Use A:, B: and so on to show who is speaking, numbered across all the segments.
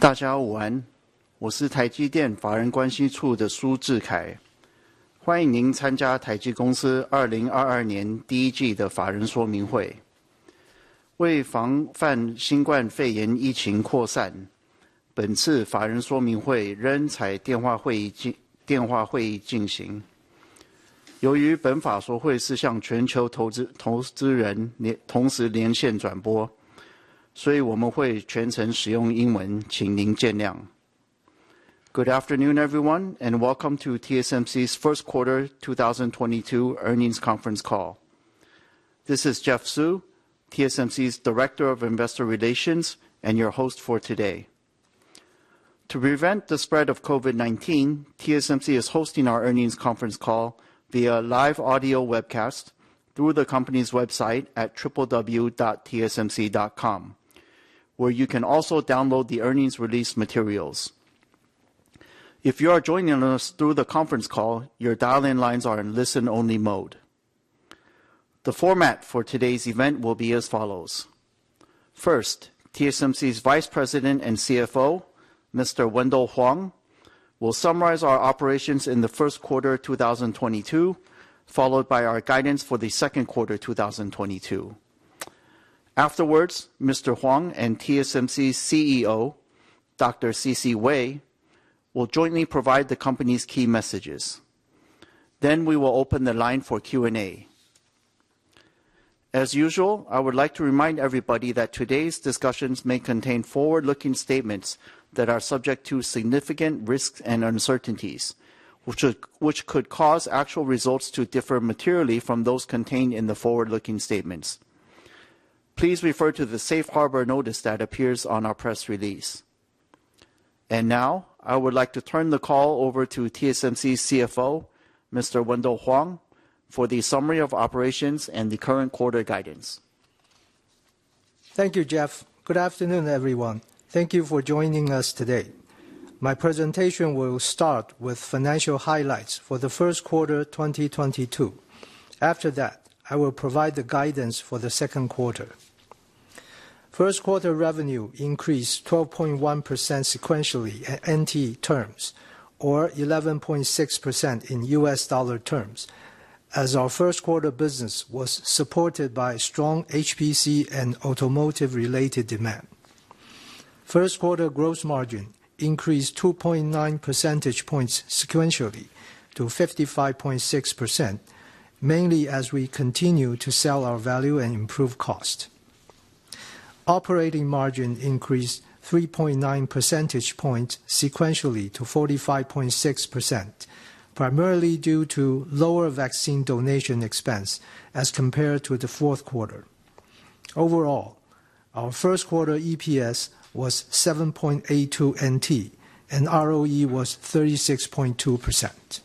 A: 大家好，晚安。我是台积电法人关系处的苏智凯，欢迎您参加台积公司2022年第一季的法人说明会。为了防范新冠肺炎疫情扩散，这次法人说明会仍采电话会议进行。由于本法说会是向全球投资者，同时连线转播，所以我们会全程使用英文，请您见谅。Good afternoon everyone, and welcome to TSMC's first quarter 2022 earnings conference call. This is Jeff Su, TSMC's Director of Investor Relations and your host for today. To prevent the spread of COVID-19, TSMC is hosting our earnings conference call via live audio webcast through the company's website at www.tsmc.com, where you can also download the earnings release materials. If you are joining us through the conference call, your dial-in lines are in listen-only mode. The format for today's event will be as follows: First, TSMC's Vice President and CFO, Mr. Wendell Huang will summarize our operations in the first quarter 2022, followed by our guidance for the second quarter 2022. Afterwards, Mr. Huang and TSMC's CEO, Dr. C.C. Wei will jointly provide the company's key messages. Then we will open the line for Q&A. As usual, I would like to remind everybody that today's discussions may contain forward-looking statements that are subject to significant risks and uncertainties, which could cause actual results to differ materially from those contained in the forward-looking statements. Please refer to the Safe Harbor notice that appears on our press release. Now I would like to turn the call over to TSMC CFO Mr. Wendell Huang for the summary of operations and the current quarter guidance.
B: Thank you, Jeff. Good afternoon, everyone. Thank you for joining us today. My presentation will start with financial highlights for the first quarter 2022. After that, I will provide the guidance for the second quarter. First quarter revenue increased 12.1% sequentially in NT terms, or 11.6% in US dollar terms, as our first quarter business was supported by strong HPC and automotive related demand. First quarter gross margin increased 2.9 percentage points sequentially to 55.6%, mainly as we continue to scale our volume and improve costs. Operating margin increased 3.9 percentage points sequentially to 45.6%, primarily due to lower vaccine donation expense as compared to the fourth quarter. Overall, our first quarter EPS was 7.82 NT, and ROE was 36.2%.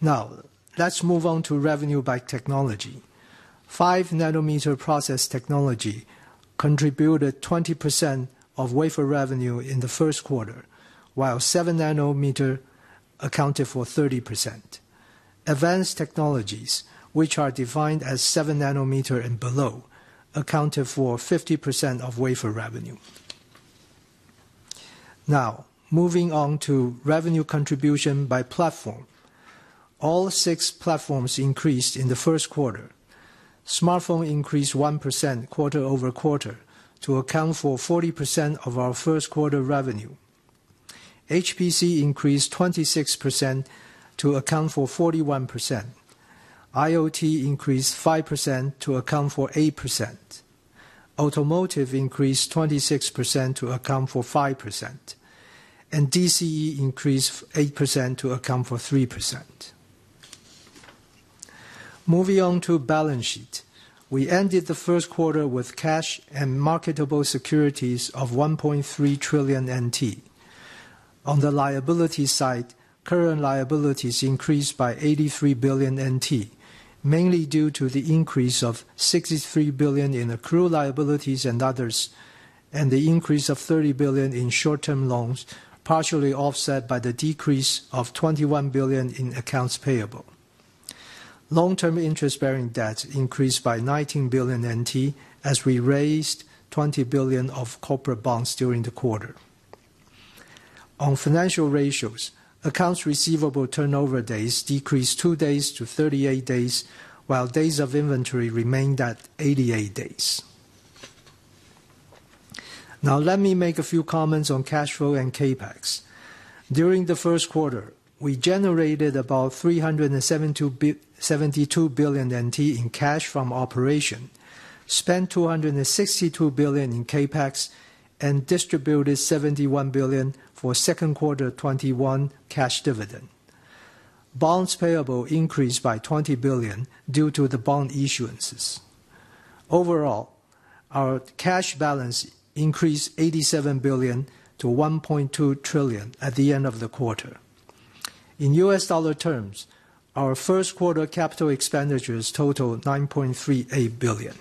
B: Now, let's move on to revenue by technology. 5-nanometer process technology contributed 20% of wafer revenue in the first quarter, while 7-nanometer accounted for 30%. Advanced technologies, which are defined as 7-nanometer and below, accounted for 50% of wafer revenue. Now, moving on to revenue contribution by platform. All six platforms increased in the first quarter. Smartphone increased 1% quarter-over-quarter to account for 40% of our first quarter revenue. HPC increased 26% to account for 41%. IoT increased 5% to account for 8%. Automotive increased 26% to account for 5%. And DCE increased 8% to account for 3%. Moving on to balance sheet. We ended the first quarter with cash and marketable securities of 1.3 trillion NT. On the liability side, current liabilities increased by 83 billion NT, mainly due to the increase of 63 billion in accrued liabilities and others, and the increase of 30 billion in short term loans, partially offset by the decrease of 21 billion in accounts payable. Long term interest-bearing debt increased by 19 billion NT as we raised 20 billion of corporate bonds during the quarter. On financial ratios, accounts receivable turnover days decreased two days to 38 days, while days of inventory remained at 88 days. Now let me make a few comments on cash flow and CapEx. During the first quarter, we generated about 372 billion NT in cash from operation, spent 262 billion in CapEx, and distributed 71 billion for second quarter 2021 cash dividend. Bonds payable increased by 20 billion due to the bond issuances. Overall, our cash balance increased 87 billion to 1.2 trillion at the end of the quarter. In US dollar terms, our first quarter capital expenditures totaled $9.38 billion.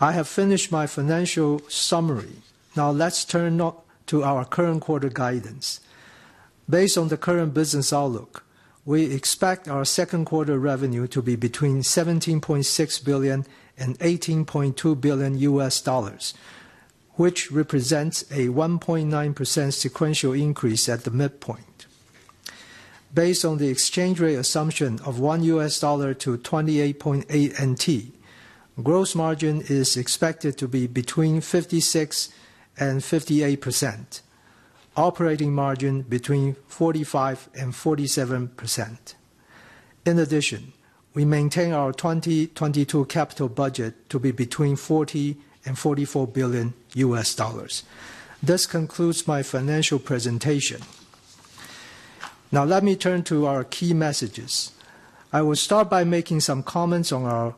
B: I have finished my financial summary. Now let's turn to our current quarter guidance. Based on the current business outlook, we expect our second quarter revenue to be between $17.6 billion and $18.2 billion, which represents a 1.9% sequential increase at the midpoint. Based on the exchange rate assumption of $1 to 28.8 NT, gross margin is expected to be between 56% and 58%, operating margin between 45% and 47%. In addition, we maintain our 2022 capital budget to be between $40 billion and $44 billion. This concludes my financial presentation. Now let me turn to our key messages. I will start by making some comments on our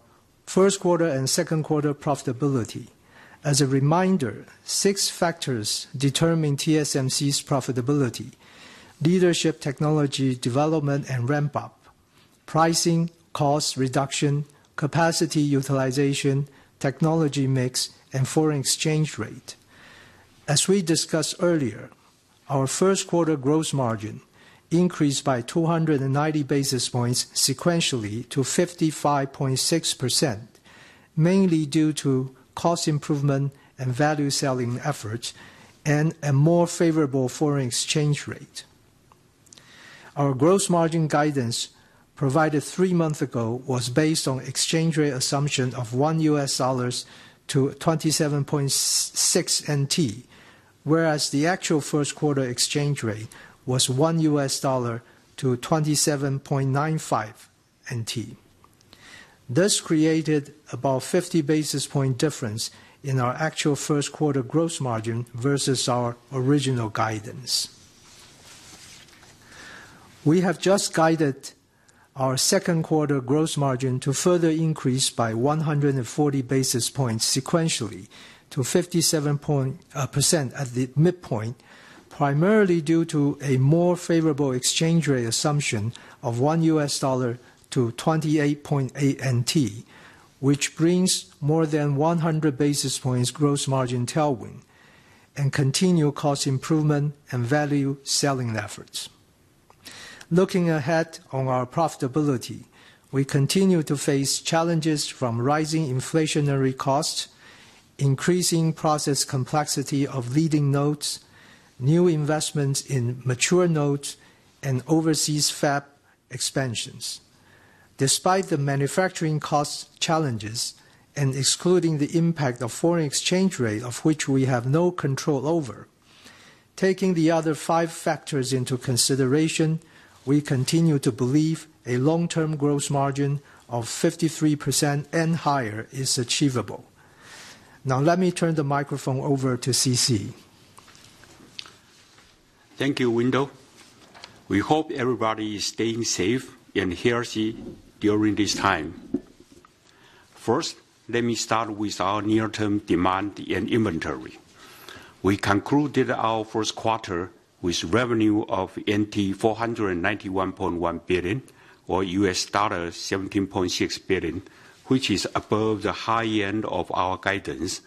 B: first quarter and second quarter profitability. As a reminder, six factors determine TSMC's profitability, leadership, technology development and ramp up, pricing, cost reduction, capacity utilization, technology mix, and foreign exchange rate. As we discussed earlier, our first quarter gross margin increased by 290 basis points sequentially to 55.6%, mainly due to cost improvement and value selling efforts and a more favorable foreign exchange rate. Our gross margin guidance provided three months ago was based on exchange rate assumption of $1 to 27.6 NT, whereas the actual first quarter exchange rate was $1 to 27.95 NT. This created about 50 basis points difference in our actual first quarter gross margin versus our original guidance. We have just guided our second quarter gross margin to further increase by 140 basis points sequentially to 57% at the midpoint, primarily due to a more favorable exchange rate assumption of $1 USD to 28.8 NT, which brings more than 100 basis points gross margin tailwind and continued cost improvement and value selling efforts. Looking ahead on our profitability, we continue to face challenges from rising inflationary costs, increasing process complexity of leading nodes, new investments in mature nodes, and overseas fab expansions. Despite the manufacturing cost challenges and excluding the impact of foreign exchange rate, of which we have no control over, taking the other five factors into consideration, we continue to believe a long-term gross margin of 53% and higher is achievable. Now let me turn the microphone over to C.C.
C: Thank you, Wendell. We hope everybody is staying safe and healthy during this time. First, let me start with our near-term demand and inventory. We concluded our first quarter with revenue of 491.1 billion or $17.6 billion, which is above the high end of our guidance,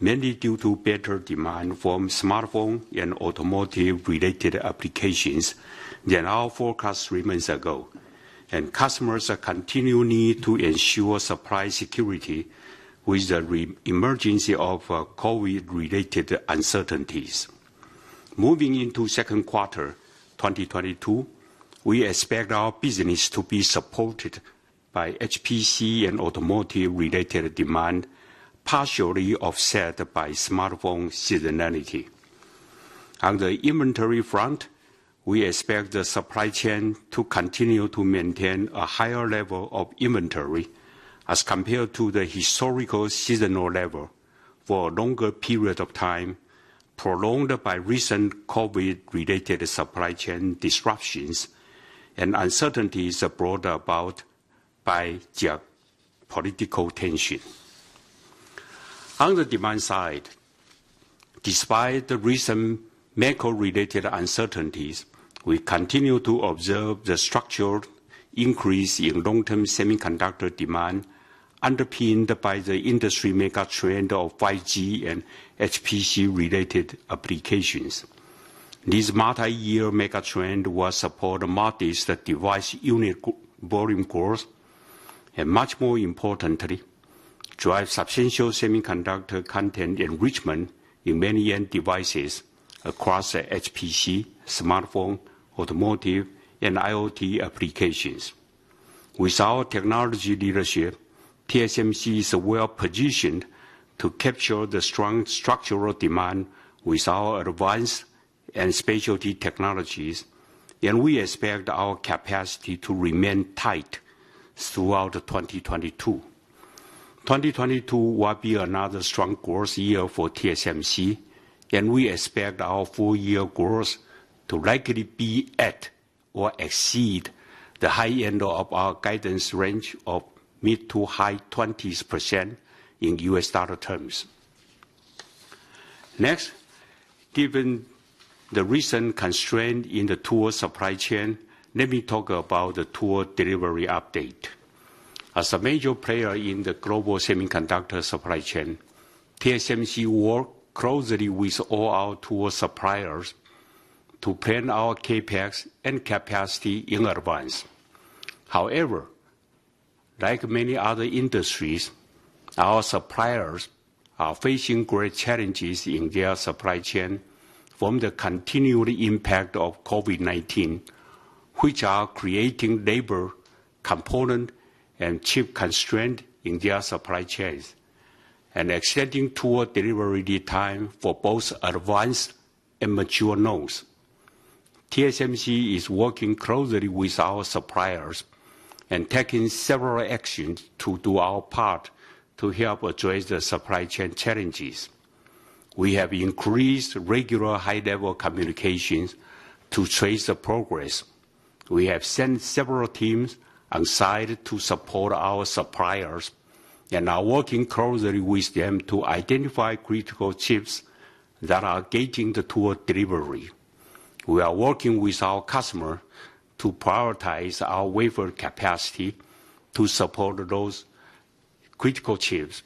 C: mainly due to better demand from smartphone and automotive related applications than our forecast three months ago. Customers are continuing to ensure supply security with the re-emergence of COVID-related uncertainties. Moving into second quarter 2022, we expect our business to be supported by HPC and automotive related demand, partially offset by smartphone seasonality. On the inventory front, we expect the supply chain to continue to maintain a higher level of inventory as compared to the historical seasonal level for a longer period of time, prolonged by recent COVID-related supply chain disruptions and uncertainties brought about by geopolitical tension. On the demand side, despite the recent macro-related uncertainties, we continue to observe the structural increase in long-term semiconductor demand underpinned by the industry mega trend of 5G and HPC related applications. This multi-year mega trend will support modest device unit volume growth, and much more importantly, drive substantial semiconductor content enrichment in many end devices across the HPC, smartphone, automotive, and IoT applications. With our technology leadership, TSMC is well-positioned to capture the strong structural demand with our advanced and specialty technologies, and we expect our capacity to remain tight throughout 2022. 2022 will be another strong growth year for TSMC, and we expect our full year growth to likely be at or exceed the high end of our guidance range of mid-20s% to high-20s% in US dollar terms. Next, given the recent constraint in the tool supply chain, let me talk about the tool delivery update. As a major player in the global semiconductor supply chain, TSMC work closely with all our tool suppliers to plan our CapEx and capacity in advance. However, like many other industries, our suppliers are facing great challenges in their supply chain from the continuing impact of COVID-19, which are creating labor component and chip constraint in their supply chains, and extending tool delivery lead time for both advanced and mature nodes. TSMC is working closely with our suppliers and taking several actions to do our part to help address the supply chain challenges. We have increased regular high-level communications to trace the progress. We have sent several teams on site to support our suppliers and are working closely with them to identify critical chips that are gating the tool delivery. We are working with our customer to prioritize our wafer capacity to support those critical chips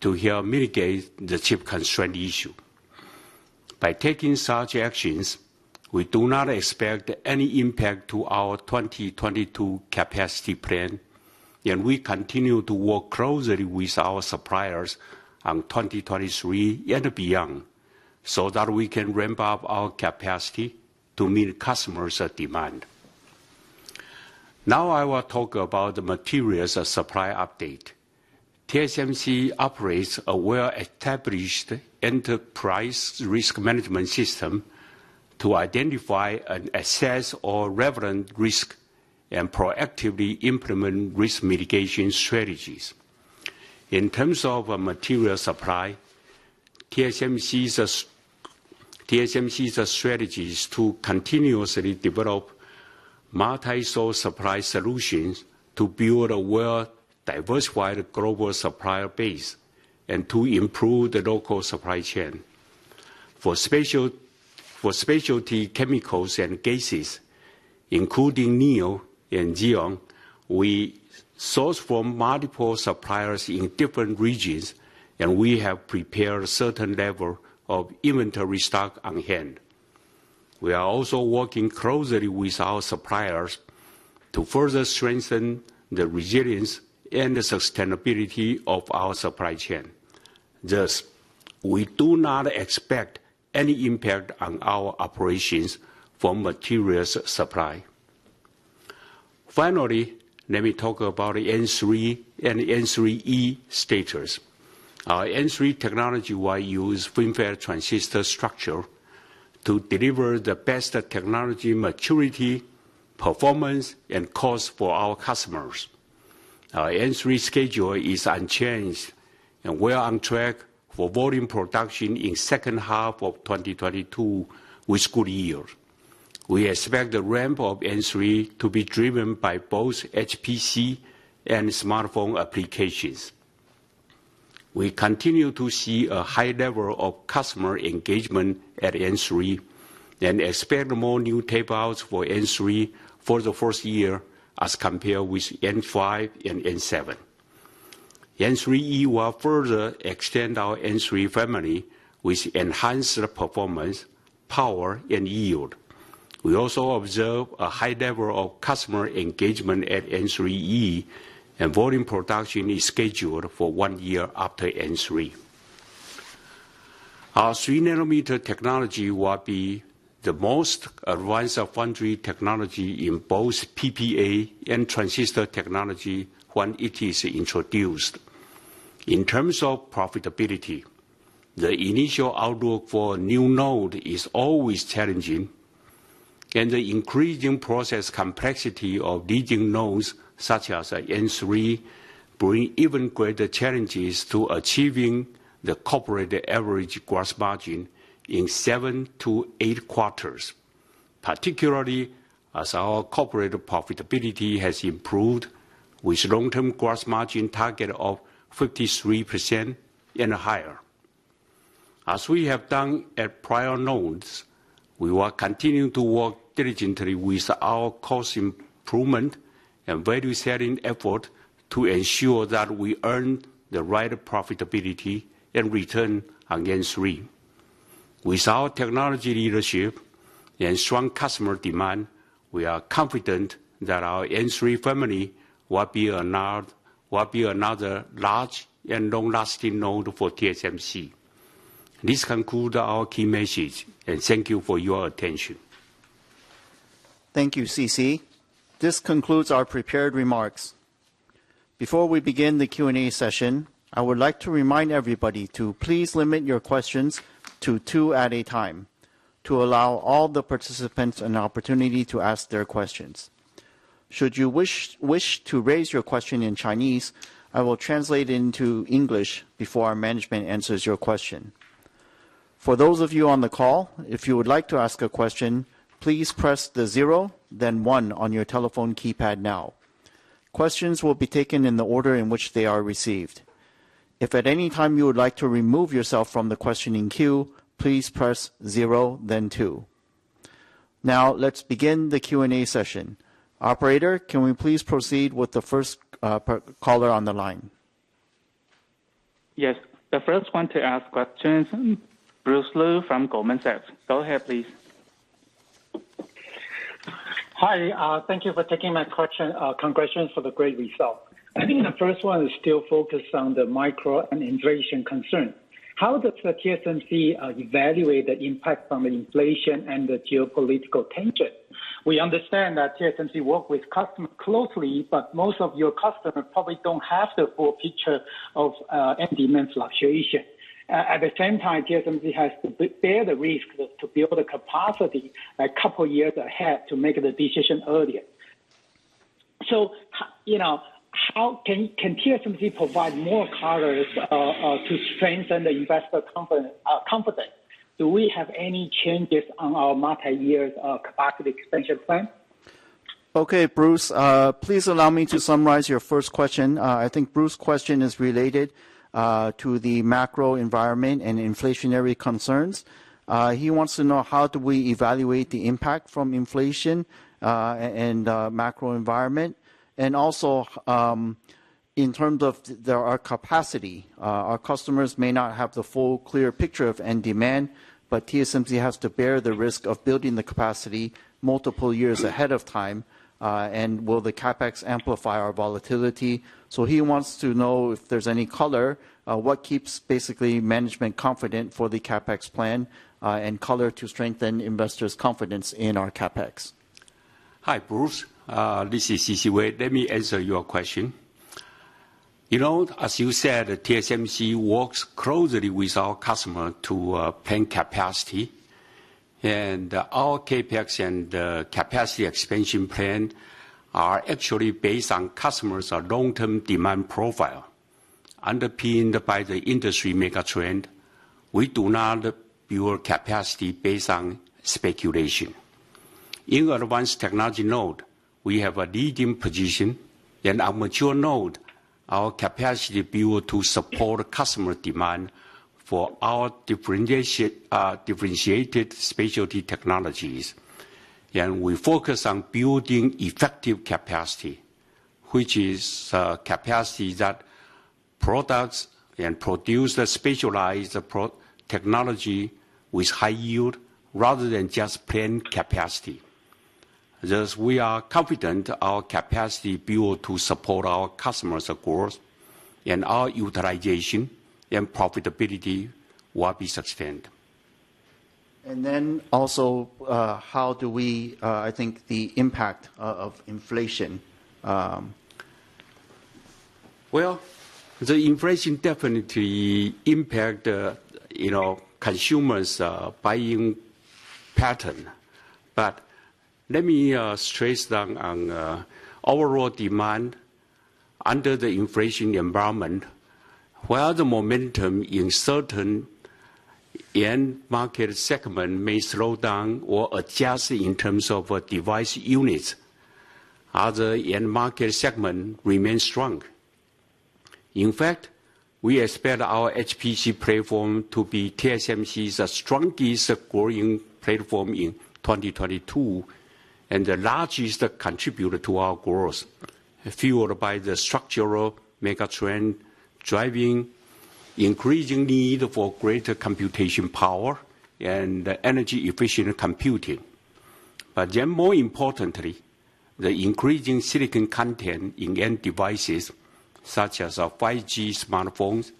C: to help mitigate the chip constraint issue. By taking such actions, we do not expect any impact to our 2022 capacity plan, and we continue to work closely with our suppliers on 2023 and beyond so that we can ramp up our capacity to meet customers' demand. Now I will talk about the materials supply update. TSMC operates a well-established enterprise risk management system to identify and assess all relevant risk and proactively implement risk mitigation strategies. In terms of material supply, TSMC's strategy is to continuously develop multi-source supply solutions to build a well-diversified global supplier base and to improve the local supply chain. For specialty chemicals and gases, including neon and xenon, we source from multiple suppliers in different regions, and we have prepared a certain level of inventory stock on hand. We are also working closely with our suppliers to further strengthen the resilience and the sustainability of our supply chain. Thus, we do not expect any impact on our operations from materials supply. Finally, let me talk about N3 and N3E status. Our N3 technology will use FinFET transistor structure to deliver the best technology maturity, performance, and cost for our customers. Our N3 schedule is unchanged, and we're on track for volume production in second half of 2022 with good yield. We expect the ramp of N3 to be driven by both HPC and smartphone applications. We continue to see a high level of customer engagement at N3 and expect more new tape-outs for N3 for the first year as compared with N5 and N7. N3E will further extend our N3 family with enhanced performance, power, and yield. We also observe a high level of customer engagement at N3E, and volume production is scheduled for one year after N3. Our 3-nanometer technology will be the most advanced foundry technology in both PPA and transistor technology when it is introduced. In terms of profitability, the initial outlook for a new node is always challenging, and the increasing process complexity of leading nodes, such as N3, bring even greater challenges to achieving the corporate average gross margin in seven to eight quarters, particularly as our corporate profitability has improved with long-term gross margin target of 53% and higher. As we have done at prior nodes, we will continue to work diligently with our cost improvement and value-setting effort to ensure that we earn the right profitability and return on N3. With our technology leadership and strong customer demand, we are confident that our N3 family will be another large and long-lasting node for TSMC. This conclude our key message, and thank you for your attention.
A: Thank you, C.C. This concludes our prepared remarks. Before we begin the Q&A session, I would like to remind everybody to please limit your questions to two at a time to allow all the participants an opportunity to ask their questions. Should you wish to raise your question in Chinese, I will translate into English before our management answers your question. For those of you on the call, if you would like to ask a question, please press the zero then one on your telephone keypad now. Questions will be taken in the order in which they are received. If at any time you would like to remove yourself from the questioning queue, please press zero then two. Now let's begin the Q&A session. Operator, can we please proceed with the first caller on the line?
D: Yes. The first one to ask questions, Bruce Lu from Goldman Sachs. Go ahead, please.
E: Hi, thank you for taking my question. Congratulations for the great result. I think the first one is still focused on the macro and inflation concern. How does TSMC evaluate the impact from inflation and the geopolitical tension? We understand that TSMC works with customers closely, but most of your customers probably don't have the full picture of end demand fluctuation. At the same time, TSMC has to bear the risk to build the capacity a couple years ahead to make the decision earlier. You know, how can TSMC provide more color to strengthen the investor confidence? Do we have any changes on our multi-year capacity expansion plan?
A: Okay, Bruce, please allow me to summarize your first question. I think Bruce's question is related to the macro environment and inflationary concerns. He wants to know how do we evaluate the impact from inflation and macro environment. In terms of the capacity, our customers may not have the full clear picture of end demand, but TSMC has to bear the risk of building the capacity multiple years ahead of time. Will the CapEx amplify our volatility? He wants to know if there's any color, what basically keeps management confident for the CapEx plan, and color to strengthen investors' confidence in our CapEx.
C: Hi, Bruce. This is C.C. Wei. Let me answer your question. You know, as you said, TSMC works closely with our customer to plan capacity. Our CapEx and capacity expansion plan are actually based on customers' long-term demand profile, underpinned by the industry mega trend. We do not build capacity based on speculation. In advanced technology node, we have a leading position. In our mature node, our capacity build to support customer demand for our differentiated specialty technologies. We focus on building effective capacity, which is capacity that produces a specialized technology with high yield rather than just plain capacity. Thus, we are confident our capacity build to support our customers' growth and our utilization and profitability will be sustained.
A: How do we, I think, the impact of inflation?
C: Well, the inflation definitely impacts the, you know, consumers' buying pattern. Let me stress that, on overall demand under the inflation environment, while the momentum in certain end market segment may slow down or adjust in terms of device units, other end market segment remains strong. In fact, we expect our HPC platform to be TSMC's strongest growing platform in 2022, and the largest contributor to our growth, fueled by the structural mega trend driving increasing need for greater computation power and energy-efficient computing. More importantly, the increasing silicon content in end devices such as 5G smartphones,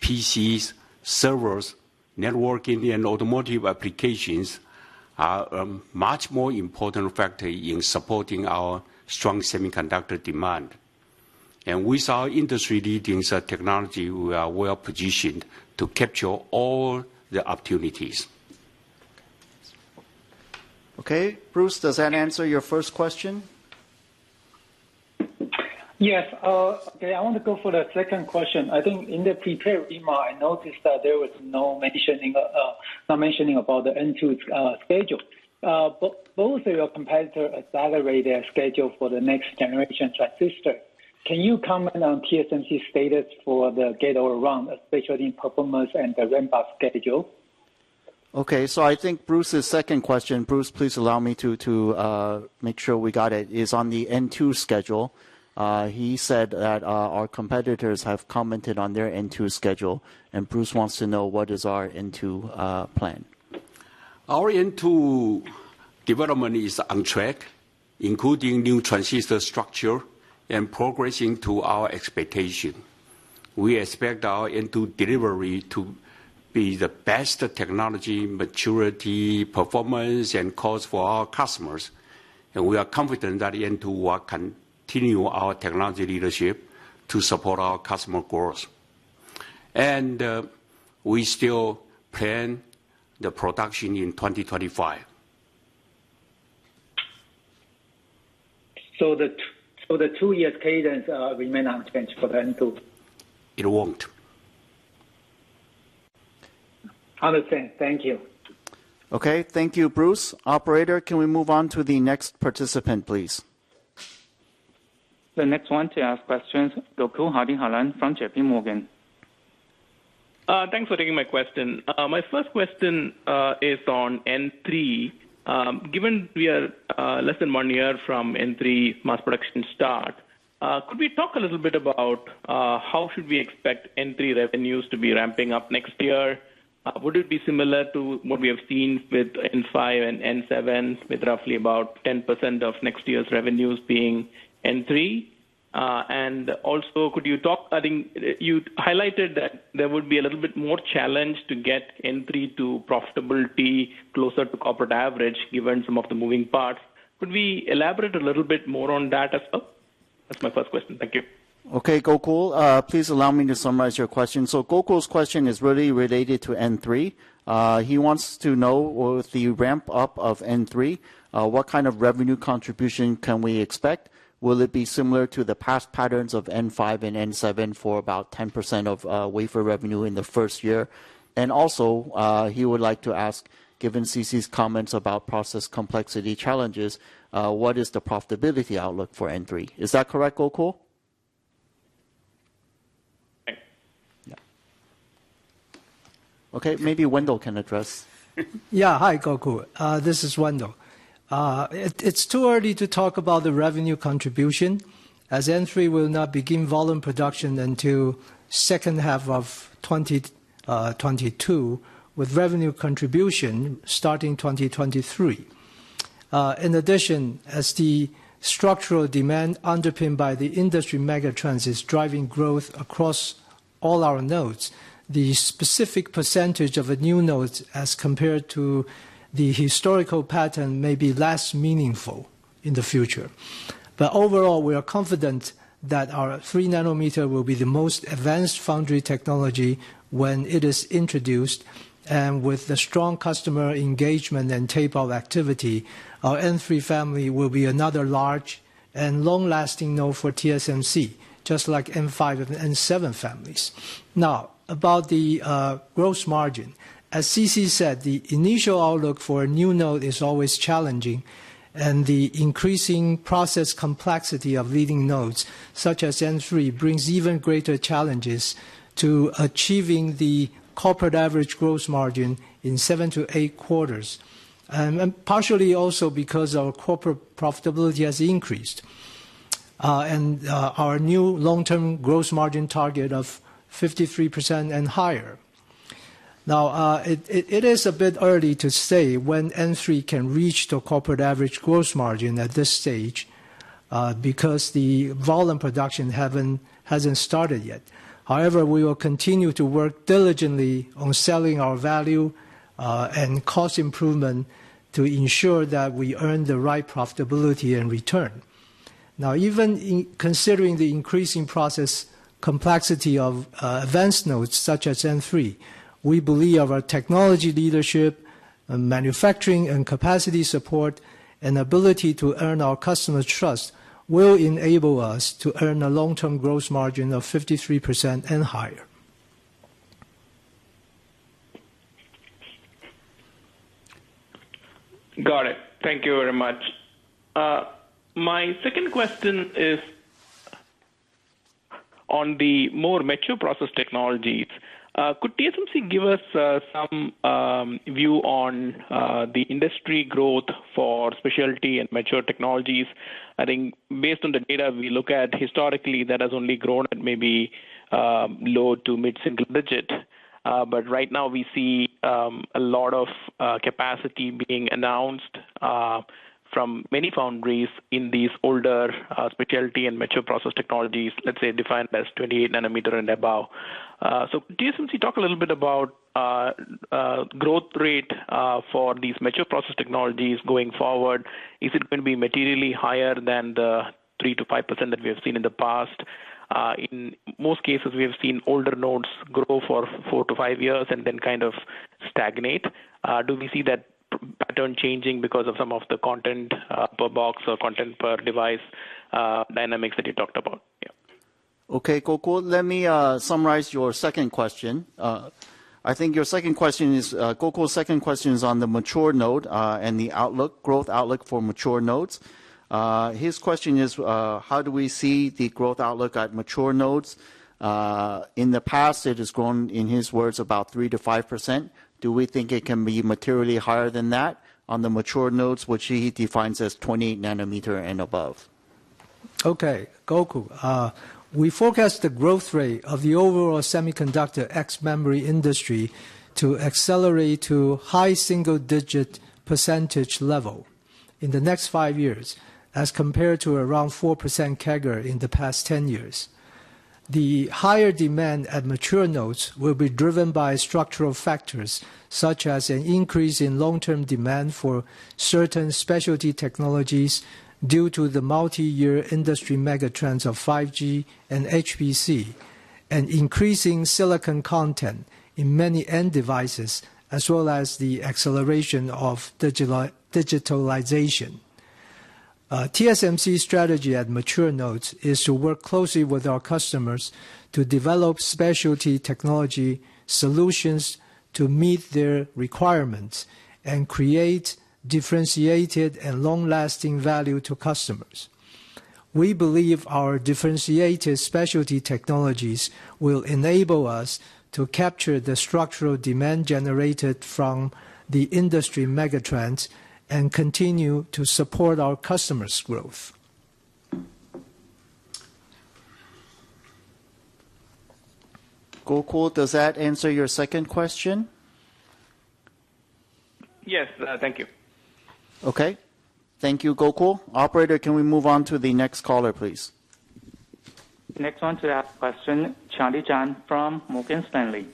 C: PCs, servers, networking and automotive applications are a much more important factor in supporting our strong semiconductor demand. With our industry-leading technology, we are well-positioned to capture all the opportunities.
A: Okay. Bruce, does that answer your first question?
E: Yes. Okay, I want to go for the second question. I think in the prepared remarks, I noticed that there was no mentioning about the N2 schedule. Both of your competitor accelerate their schedule for the next generation transistor. Can you comment on TSMC status for the gate-all-around, especially in performance and the ramp-up schedule?
A: Okay. I think Bruce's second question, Bruce, please allow me to make sure we got it, is on the N2 schedule. He said that our competitors have commented on their N2 schedule, and Bruce wants to know what is our N2 plan.
C: Our N2 development is on track, including new transistor structure and progressing to our expectation. We expect our N2 delivery to be the best technology, maturity, performance, and cost for our customers. We are confident that N2 will continue our technology leadership to support our customer growth. We still plan the production in 2025.
E: The two-year cadence remain unchanged for the N2?
C: It won't.
E: Understood. Thank you.
A: Okay. Thank you, Bruce. Operator, can we move on to the next participant, please?
D: The next one to ask questions, Gokul Hariharan from JPMorgan.
F: Thanks for taking my question. My first question is on N3. Given we are less than one year from N3 mass production start, could we talk a little bit about how should we expect N3 revenues to be ramping up next year? Would it be similar to what we have seen with N5 and N7, with roughly about 10% of next year's revenues being N3? And also could you talk. I think you highlighted that there would be a little bit more challenge to get N3 to profitability closer to corporate average given some of the moving parts. Could we elaborate a little bit more on that as well? That's my first question. Thank you.
A: Okay, Gokul. Please allow me to summarize your question. Gokul's question is really related to N3. He wants to know with the ramp up of N3, what kind of revenue contribution can we expect? Will it be similar to the past patterns of N5 and N7 for about 10% of wafer revenue in the first year? And also, he would like to ask, given C.C.'s comments about process complexity challenges, what is the profitability outlook for N3? Is that correct, Gokul?
F: Right.
A: Yeah. Okay, maybe Wendell can address.
B: Yeah. Hi, Gokul. This is Wendell. It's too early to talk about the revenue contribution as N3 will not begin volume production until second half of 2022, with revenue contribution starting 2023. In addition, as the structural demand underpinned by the industry megatrend is driving growth across all our nodes, the specific percentage of a new node as compared to the historical pattern may be less meaningful in the future. Overall, we are confident that our 3-nanometer will be the most advanced foundry technology when it is introduced. With the strong customer engagement and tape-out activity, our N3 family will be another large and long-lasting node for TSMC, just like N5 and N7 families. Now, about the gross margin. As C.C. said, the initial outlook for a new node is always challenging, and the increasing process complexity of leading nodes, such as N3, brings even greater challenges to achieving the corporate average gross margin in seven to eight quarters. Partially also because our corporate profitability has increased, and our new long-term gross margin target of 53% and higher. Now, it is a bit early to say when N3 can reach the corporate average gross margin at this stage, because the volume production hasn't started yet. However, we will continue to work diligently on selling our value, and cost improvement to ensure that we earn the right profitability and return. Now, even in considering the increasing process complexity of advanced nodes such as N3, we believe our technology leadership and manufacturing and capacity support and ability to earn our customers' trust will enable us to earn a long-term gross margin of 53% and higher.
F: Got it. Thank you very much. My second question is on the more mature process technologies. Could TSMC give us some view on the industry growth for specialty and mature technologies? I think based on the data we look at historically, that has only grown at maybe low to mid-single digit. Right now we see a lot of capacity being announced from many foundries in these older specialty and mature process technologies, let's say defined as 28-nanometer and above. Could TSMC talk a little bit about growth rate for these mature process technologies going forward? Is it gonna be materially higher than the 3%-5% that we have seen in the past? In most cases, we have seen older nodes grow for four to five years and then kind of stagnate. Do we see that pattern changing because of some of the content per box or content per device dynamics that you talked about? Yeah.
A: Okay, Gokul. Let me summarize your second question. I think Gokul's second question is on the mature node and the outlook, growth outlook for mature nodes. His question is, how do we see the growth outlook at mature nodes? In the past it has grown, in his words, about 3%-5%. Do we think it can be materially higher than that on the mature nodes, which he defines as 20-nanometer and above?
B: Okay. Gokul, we forecast the growth rate of the overall semiconductor ex-memory industry to accelerate to high single-digit % level in the next five years, as compared to around 4% CAGR in the past 10 years. The higher demand at mature nodes will be driven by structural factors such as an increase in long-term demand for certain specialty technologies due to the multiyear industry megatrends of 5G and HPC, and increasing silicon content in many end devices, as well as the acceleration of digitalization. TSMC's strategy at mature nodes is to work closely with our customers to develop specialty technology solutions.
C: To meet their requirements and create differentiated and long-lasting value to customers. We believe our differentiated specialty technologies will enable us to capture the structural demand generated from the industry mega trends and continue to support our customers' growth.
A: Gokul, does that answer your second question?
F: Yes. Thank you.
C: Okay. Thank you, Gokul. Operator, can we move on to the next caller, please?
D: Next one to ask question, Charlie Chan from Morgan Stanley.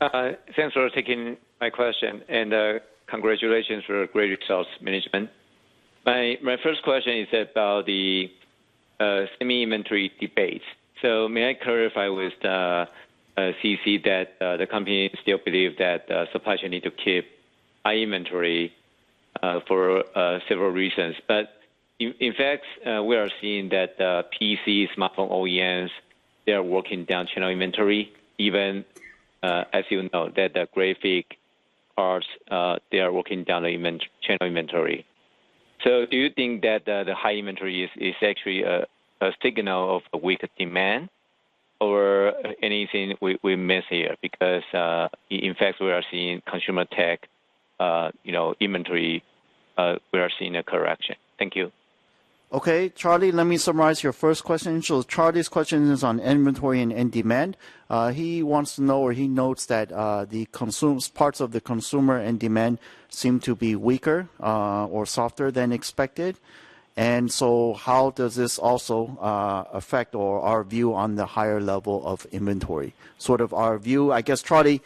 G: Thanks for taking my question, and congratulations for your great results, management. My first question is about the semi-inventory debates. May I clarify with C.C. that the company still believe that suppliers need to keep high inventory for several reasons. In fact, we are seeing that PC, smartphone OEMs, they are working down general inventory, even as you know, that the graphic cards, they are working down the channel inventory. Do you think that the high inventory is actually a signal of weaker demand or anything we miss here? Because in fact, we are seeing consumer tech, you know, inventory, we are seeing a correction. Thank you.
A: Okay. Charlie, let me summarize your first question. Charlie's question is on inventory and end demand. He wants to know, or he notes that, the parts of the consumer end demand seem to be weaker, or softer than expected. How does this also affect our view on the higher level of inventory? Sort of our view, I guess, Charlie,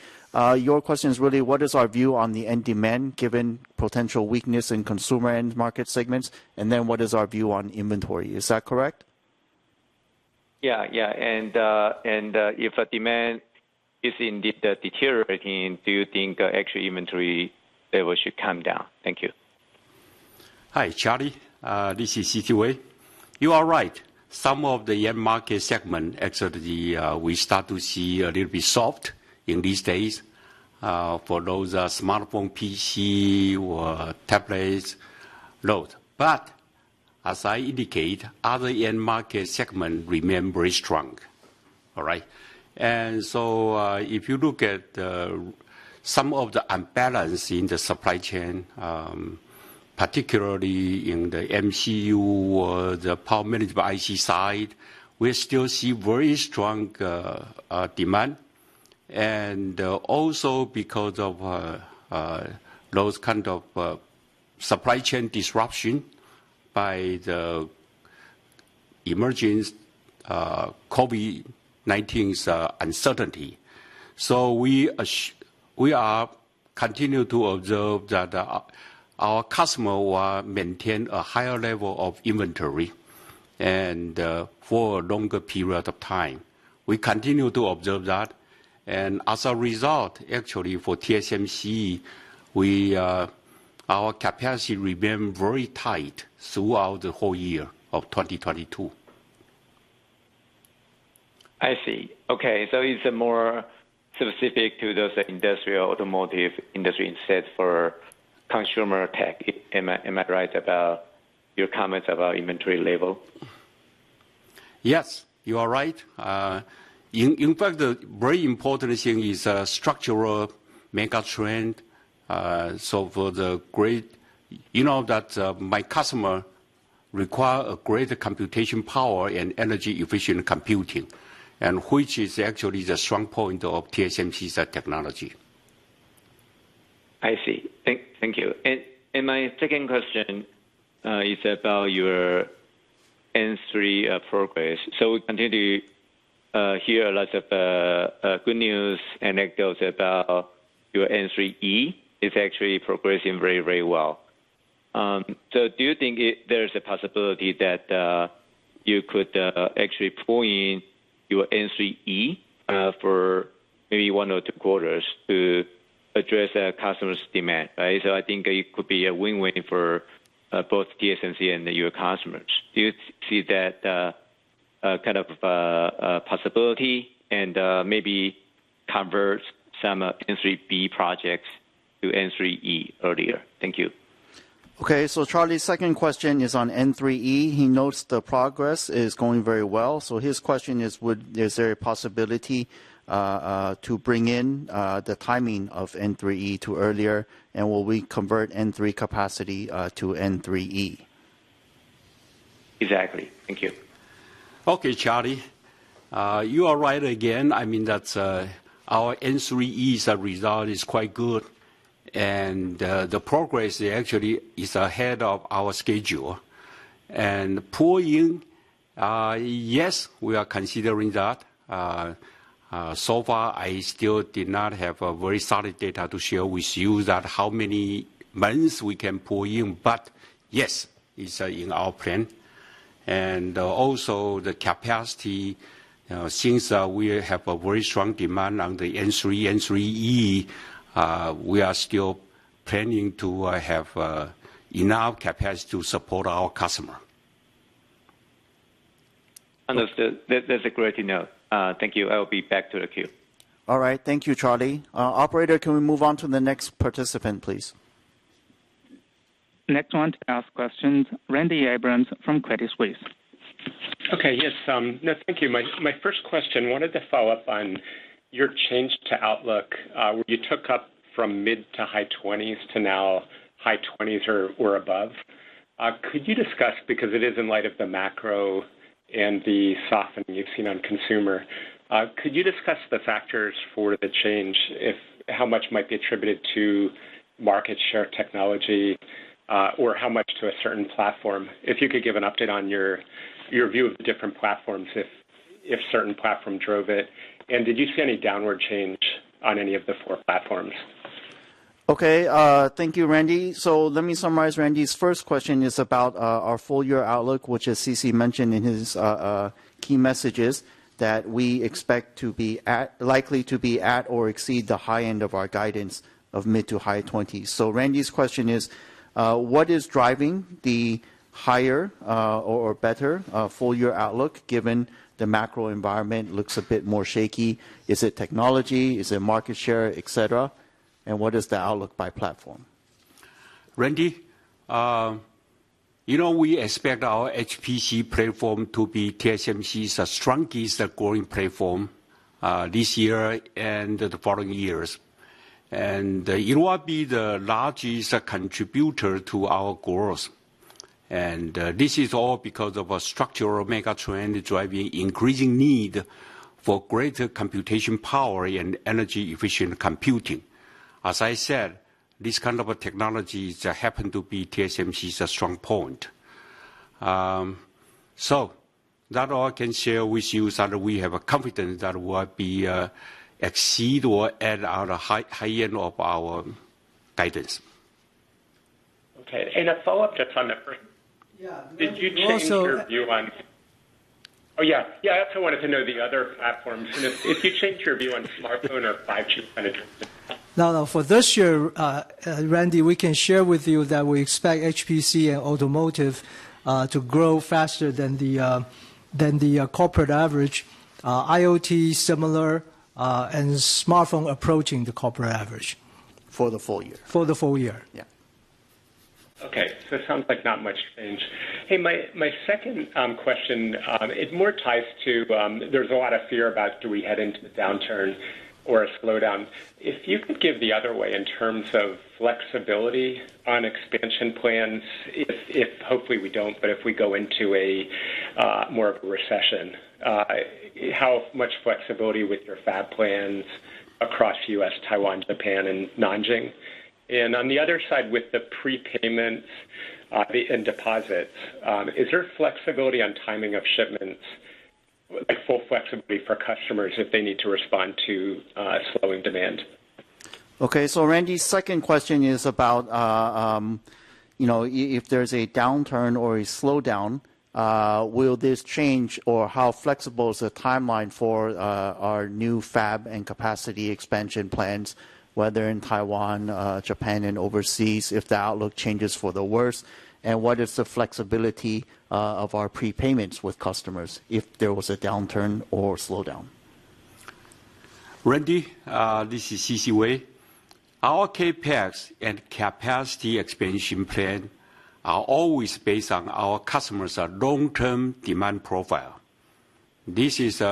A: your question is really what is our view on the end demand given potential weakness in consumer end market segments, and then what is our view on inventory. Is that correct?
G: If a demand is indeed deteriorating, do you think actually inventory level should come down? Thank you.
C: Hi, Charlie. This is C.C. Wei. You are right. Some of the end market segment, actually, we start to see a little bit soft in these days for those smartphone, PC or tablets load. As I indicate, other end market segment remain very strong. All right? If you look at some of the imbalance in the supply chain, particularly in the MCU or the power management IC side, we still see very strong demand. Also because of those kind of supply chain disruption by the emergence of COVID-19's uncertainty, we continue to observe that our customer will maintain a higher level of inventory and for a longer period of time. We continue to observe that. As a result, actually, for TSMC, we, our capacity remain very tight throughout the whole year of 2022.
G: I see. Okay. It's more specific to those industrial automotive industry instead for consumer tech. Am I right about your comments about inventory level?
C: Yes, you are right. In fact, the very important thing is structural mega trend. You know that my customer require a greater computation power and energy efficient computing, and which is actually the strong point of TSMC's technology.
G: I see. Thank you. My second question is about your N3 progress. We continue to hear lots of good news and echoes about your N3E actually progressing very well. Do you think there is a possibility that you could actually pull in your N3E for maybe one or two quarters to address a customer's demand, right? I think it could be a win-win for both TSMC and your customers. Do you see that kind of possibility and maybe convert some N3B projects to N3E earlier? Thank you.
A: Okay. Charlie's second question is on N3E. He notes the progress is going very well. His question is there a possibility to bring in the timing of N3E to earlier, and will we convert N3 capacity to N3E?
G: Exactly. Thank you.
C: Okay, Charlie. You are right again. I mean, that our N3E's result is quite good. The progress actually is ahead of our schedule. Pull in, yes, we are considering that. So far, I still did not have a very solid data to share with you that how many months we can pull in. But yes, it's in our plan. Also the capacity, since we have a very strong demand on the N3, N3E, we are still planning to have enough capacity to support our customer.
G: Understood. That's great to know. Thank you. I will be back to the queue.
A: All right. Thank you, Charlie. Operator, can we move on to the next participant, please?
D: Next one to ask questions, Randy Abrams from Credit Suisse.
H: Okay. Yes. No, thank you. My first question wanted to follow-up on your change to outlook, where you took up from mid-20s% to high 20s% to now high 20s% or above. Could you discuss, because it is in light of the macro and the softening you've seen on consumer, could you discuss the factors for the change if how much might be attributed to market share technology, or how much to a certain platform? If you could give an update on your view of the different platforms, if certain platform drove it. Did you see any downward change on any of the four platforms?
A: Okay. Thank you, Randy. Let me summarize. Randy's first question is about our full-year outlook, which as C.C. mentioned in his key messages, we expect likely to be at or exceed the high end of our guidance of mid- to high-20s%. Randy's question is what is driving the higher or better full-year outlook given the macro environment looks a bit more shaky. Is it technology? Is it market share, et cetera? What is the outlook by platform?
C: Randy, you know, we expect our HPC platform to be TSMC's strongest growing platform this year and the following years. This is all because of a structural mega trend driving increasing need for greater computation power and energy efficient computing. As I said, this kind of technologies happen to be TSMC's strong point. That's all I can share with you that we have confidence that we will exceed or be at our high end of our guidance.
H: Okay. A follow-up just on the first.
A: Yeah.
H: Did you change your view on? Oh, yeah. Yeah, I also wanted to know the other platforms, and if you changed your view on smartphone or 5G penetration.
A: No, no. For this year, Randy, we can share with you that we expect HPC and automotive to grow faster than the corporate average. IoT similar, and smartphone approaching the corporate average.
C: For the full year.
A: For the full year.
C: Yeah.
H: Okay. It sounds like not much change. Hey, my second question, it more ties to, there's a lot of fear about do we head into the downturn or a slowdown. If you could give your view in terms of flexibility on expansion plans if hopefully we don't, but if we go into a more of a recession, how much flexibility with your fab plans across U.S., Taiwan, Japan and Nanjing? And on the other side, with the prepayments and deposits, is there flexibility on timing of shipments, like full flexibility for customers if they need to respond to slowing demand?
A: Okay. Randy's second question is about, you know, if there's a downturn or a slowdown, will this change or how flexible is the timeline for our new fab and capacity expansion plans, whether in Taiwan, Japan and overseas, if the outlook changes for the worse? And what is the flexibility of our prepayments with customers if there was a downturn or a slowdown?
C: Randy, this is C.C. Wei. Our CapEx and capacity expansion plan are always based on our customers' long-term demand profile. This is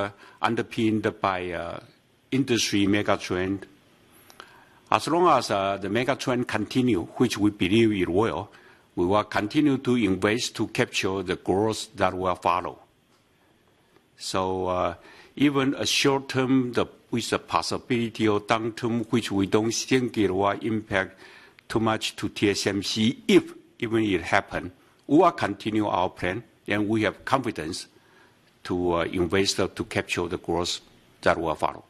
C: underpinned by industry megatrend. As long as the megatrend continues, which we believe it will, we will continue to invest to capture the growth that will follow. Even in the short term, with the possibility of downturn, which we don't think it will impact too much to TSMC, even if it happens, we will continue our plan and we have confidence to invest to capture the growth that will follow.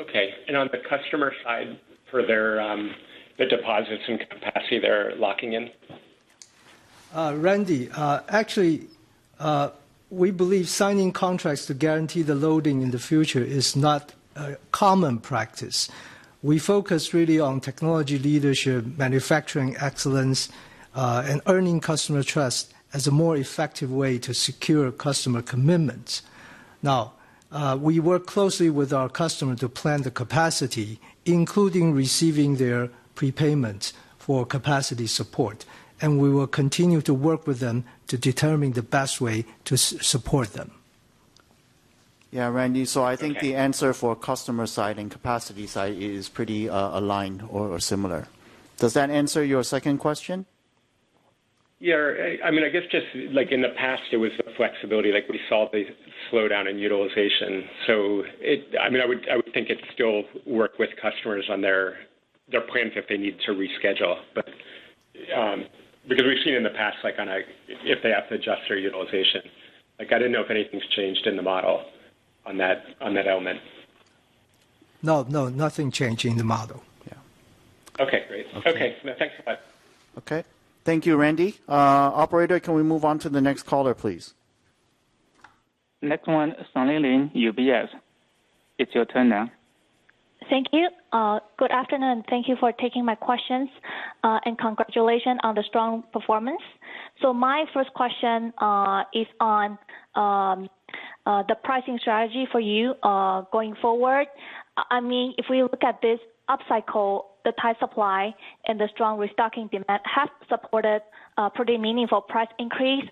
H: Okay. On the customer side, for their, the deposits and capacity they're locking in?
B: Randy, actually, we believe signing contracts to guarantee the loading in the future is not a common practice. We focus really on technology leadership, manufacturing excellence, and earning customer trust as a more effective way to secure customer commitments. Now, we work closely with our customer to plan the capacity, including receiving their prepayment for capacity support, and we will continue to work with them to determine the best way to support them.
A: Yeah, Randy. I think the answer for customer side and capacity side is pretty aligned or similar. Does that answer your second question?
H: Yeah. I mean, I guess just like in the past, there was the flexibility, like we saw the slowdown in utilization. I mean, I would think it still work with customers on their plans if they need to reschedule. But because we've seen in the past, like if they have to adjust their utilization. Like, I didn't know if anything's changed in the model on that element.
A: No, no, nothing changed in the model. Yeah.
H: Okay, great.
A: Okay.
H: Okay. No, thanks a lot.
A: Okay. Thank you, Randy. Operator, can we move on to the next caller, please?
D: Next one, Sunny Lin, UBS. It's your turn now.
I: Thank you. Good afternoon, and thank you for taking my questions. Congratulations on the strong performance. My first question is on the pricing strategy for you going forward. I mean, if we look at this up cycle, the tight supply and the strong restocking demand has supported pretty meaningful price increase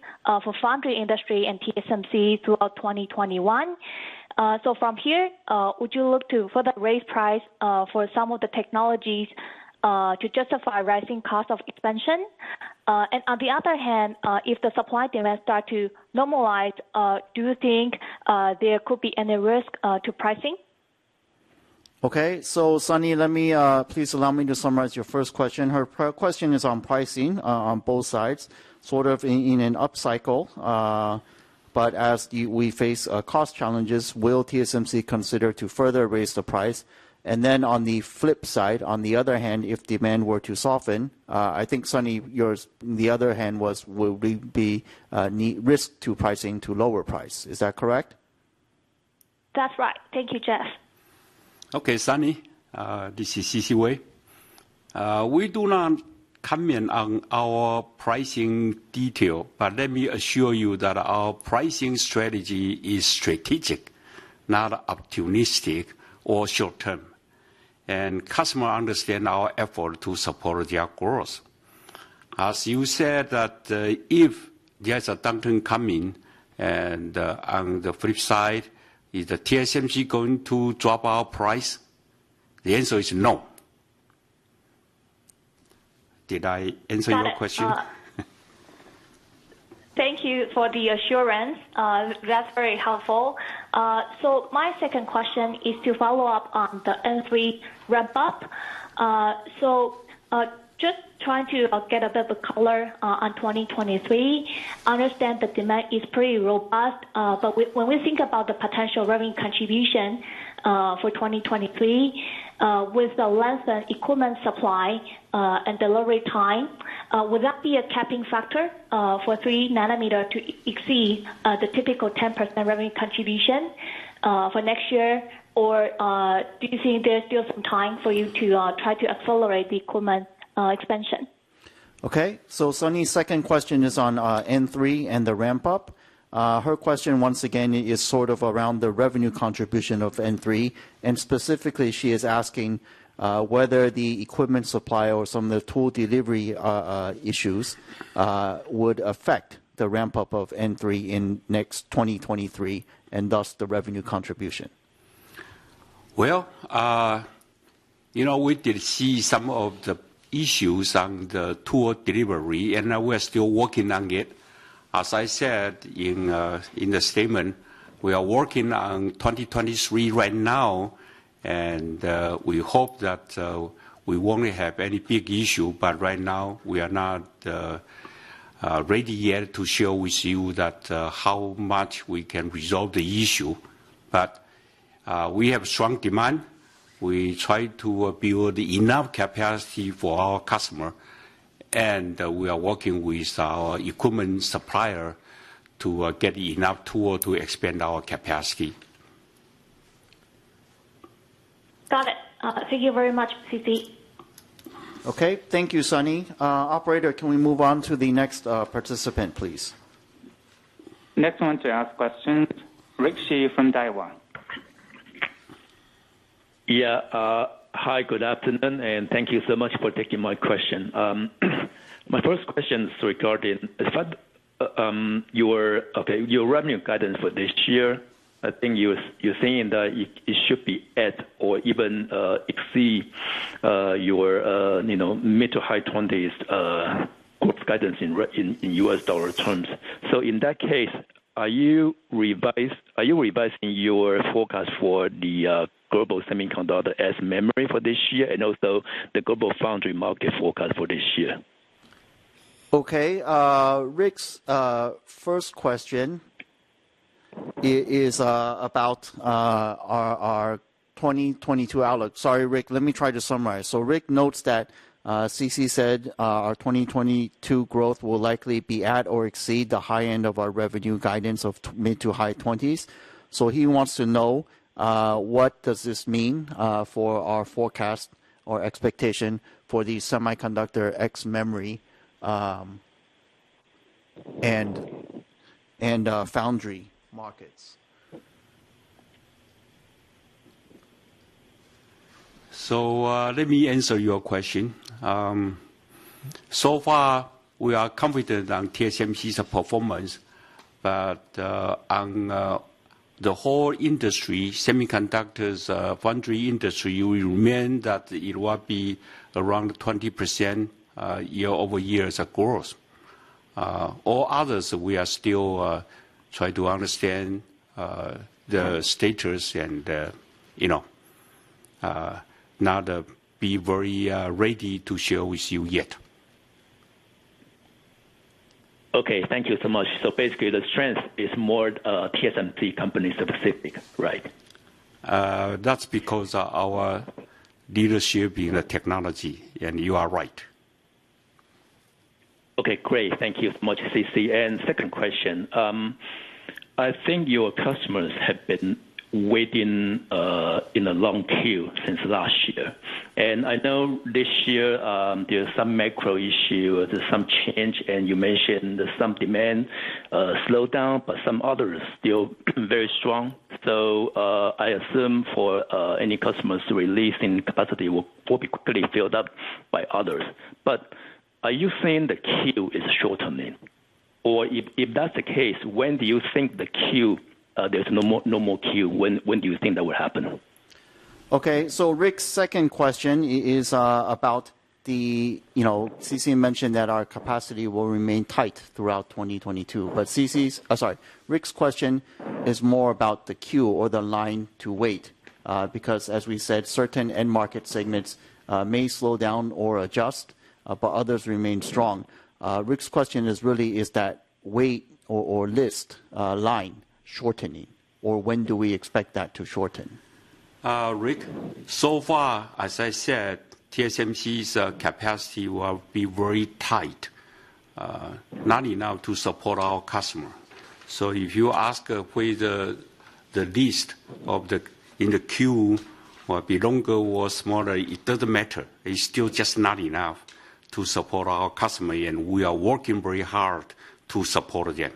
I: for foundry industry and TSMC throughout 2021. From here, would you look to further raise price for some of the technologies to justify rising cost of expansion? On the other hand, if the supply and demand starts to normalize, do you think there could be any risk to pricing?
A: Sunny, let me please allow me to summarize your first question. Your question is on pricing on both sides, sort of in an up cycle. As we face cost challenges, will TSMC consider to further raise the price? On the flip side, on the other hand, if demand were to soften, I think, Sunny, yours, the other hand was, will we need to lower the price. Is that correct?
I: That's right. Thank you, Jeff.
C: Okay, Sunny, this is C.C. Wei. We do not comment on our pricing detail, but let me assure you that our pricing strategy is strategic, not opportunistic or short term. Customers understand our effort to support their growth. As you said that, if there's a downturn coming and, on the flip side, is TSMC going to drop our price? The answer is no. Did I answer your question?
I: Thank you for the assurance. That's very helpful. My second question is to follow-up on the N3 ramp-up. Just trying to get a bit of color on 2023. I understand the demand is pretty robust, but when we think about the potential revenue contribution for 2023, with the length of equipment supply and delivery time, would that be a capping factor for 3-nanometer to exceed the typical 10% revenue contribution for next year? Or do you think there's still some time for you to try to accelerate the equipment expansion?
A: Okay. Sunny's second question is on N3 and the ramp-up. Her question once again is sort of around the revenue contribution of N3, and specifically she is asking whether the equipment supply or some of the tool delivery issues would affect the ramp-up of N3 in next 2023, and thus the revenue contribution.
C: Well, you know, we did see some of the issues on the tool delivery, and now we're still working on it. As I said in the statement, we are working on 2023 right now, and we hope that we won't have any big issue. Right now we are not ready yet to share with you that how much we can resolve the issue. We have strong demand. We try to build enough capacity for our customer, and we are working with our equipment supplier to get enough tool to expand our capacity.
I: Got it. Thank you very much, C.C.
A: Okay. Thank you, Sunny. Operator, can we move on to the next participant, please?
D: Next one to ask a question, Rick Hsu from Daiwa.
J: Hi, good afternoon, and thank you so much for taking my question. My first question is regarding your revenue guidance for this year. I think you're saying that it should be at or even exceed your, you know, mid- to high-20s% growth guidance in US dollar terms. In that case, are you revising your forecast for the global semiconductor and memory for this year, and also the global foundry market forecast for this year?
A: Okay. Rick's first question is about our 2022 outlook. Sorry, Rick, let me try to summarize. Rick notes that C.C. said our 2022 growth will likely be at or exceed the high end of our revenue guidance of mid- to high 20s. He wants to know what does this mean for our forecast or expectation for the semiconductor ex memory and foundry markets.
C: Let me answer your question. So far we are confident on TSMC's performance, but on the whole industry, semiconductors, foundry industry, we remain that it will be around 20% year-over-year as growth. All others we are still try to understand the status and, you know, not be very ready to share with you yet.
J: Okay. Thank you so much. Basically the strength is more TSMC company specific, right?
C: That's because our leadership in the technology, and you are right.
J: Okay, great. Thank you so much, C.C. Second question, I think your customers have been waiting in a long queue since last year. I know this year, there's some macro issue or there's some change, and you mentioned there's some demand slow down, but some others still very strong. I assume for any customers releasing capacity will be quickly filled up by others. But are you saying the queue is shortening? Or if that's the case, when do you think the queue, there's no more queue, when do you think that will happen?
A: Okay. Rick's second question is about. You know, C.C. mentioned that our capacity will remain tight throughout 2022. Oh, sorry. Rick's question is more about the queue or the line to wait, because as we said, certain end market segments may slow down or adjust, but others remain strong. Rick's question is really that waitlist line shortening or when do we expect that to shorten?
C: Rick, so far, as I said, TSMC's capacity will be very tight, not enough to support our customer. If you ask where the list in the queue will be longer or smaller, it doesn't matter. It's still just not enough to support our customer, and we are working very hard to support them.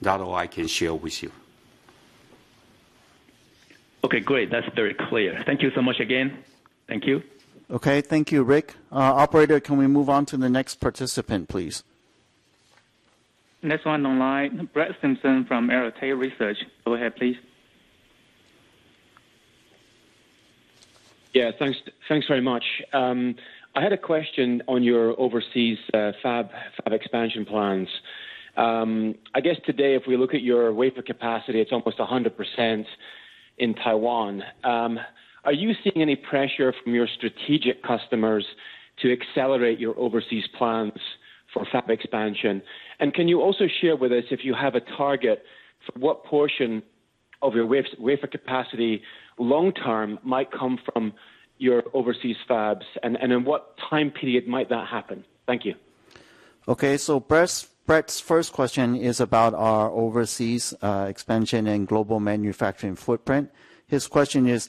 C: That's all I can share with you.
J: Okay, great. That's very clear. Thank you so much again. Thank you.
A: Okay. Thank you, Rick. Operator, can we move on to the next participant, please?
D: Next one online, Brett Simpson from Arete Research. Go ahead, please.
K: Yeah. Thanks very much. I had a question on your overseas fab expansion plans. I guess today, if we look at your wafer capacity, it's almost 100% in Taiwan. Are you seeing any pressure from your strategic customers to accelerate your overseas plans for fab expansion? Can you also share with us if you have a target for what portion of your wafer capacity long term might come from your overseas fabs and in what time period might that happen? Thank you.
A: Brett's first question is about our overseas expansion and global manufacturing footprint. His question is,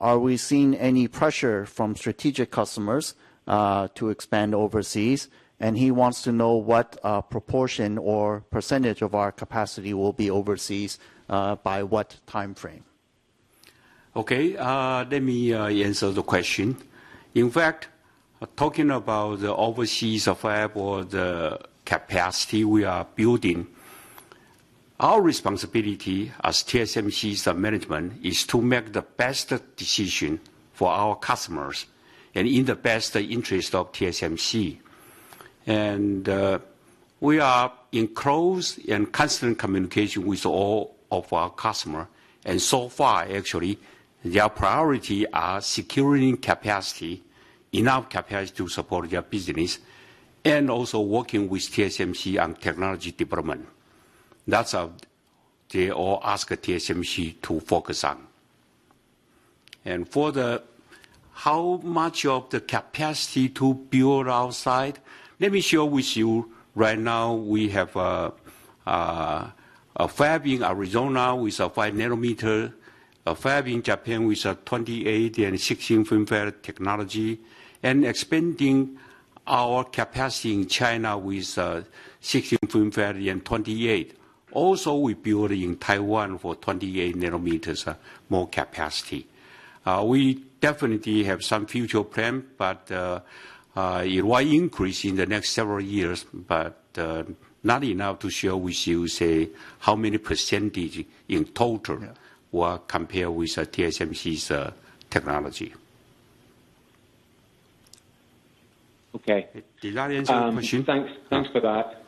A: are we seeing any pressure from strategic customers to expand overseas? He wants to know what proportion or percentage of our capacity will be overseas by what timeframe.
C: Okay. Let me answer the question. In fact, talking about the overseas fab or the capacity we are building, our responsibility as TSMC's management is to make the best decision for our customers and in the best interest of TSMC. We are in close and constant communication with all of our customers. So far, actually, their priorities are securing capacity, enough capacity to support their business, and also working with TSMC on technology development. That's all they all ask TSMC to focus on. For how much of the capacity to build outside, let me share with you right now we have a fab in Arizona with a 5-nanometer, a fab in Japan with a 28- and 16-FinFET technology, and expanding our capacity in China with 16-FinFET and 28. We build in Taiwan for 28-nanometers, more capacity. We definitely have some future plan, but it will increase in the next several years, but not enough to share with you, say, how many percentage in total-
A: Yeah.
C: Were compared with TSMC's technology.
K: Okay.
C: Did that answer your question?
K: Thanks for that.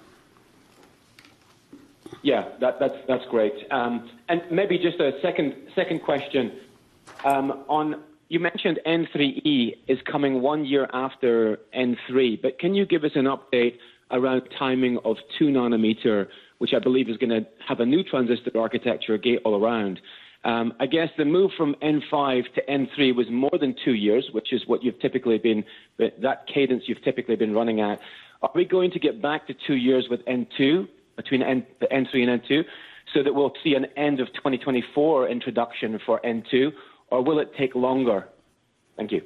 K: That's great. Maybe just a second question. You mentioned N3E is coming one year after N3. Can you give us an update around timing of 2-nanometer, which I believe is gonna have a new transistor architecture gate-all-around. I guess the move from N5 to N3 was more than two years, which is what you've typically been running at with that cadence. Are we going to get back to two years with N2, between the N3 and N2, so that we'll see an end of 2024 introduction for N2, or will it take longer? Thank you.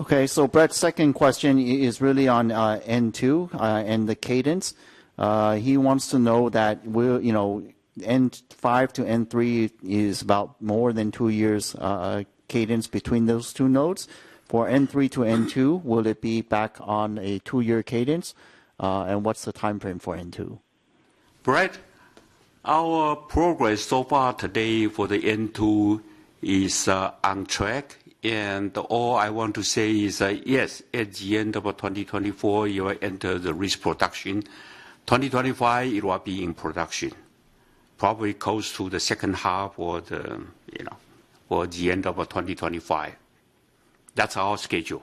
A: Okay. Brett's second question is really on N2 and the cadence. He wants to know, you know, N5 to N3 is about more than two years cadence between those two nodes. For N3 to N2, will it be back on a two-year cadence? And what's the timeframe for N2?
C: Brett, our progress so far today for the N2 is on track. All I want to say is that, yes, at the end of 2024, you will enter the risk production. 2025, it will be in production, probably close to the second half or the, you know, or the end of 2025. That's our schedule.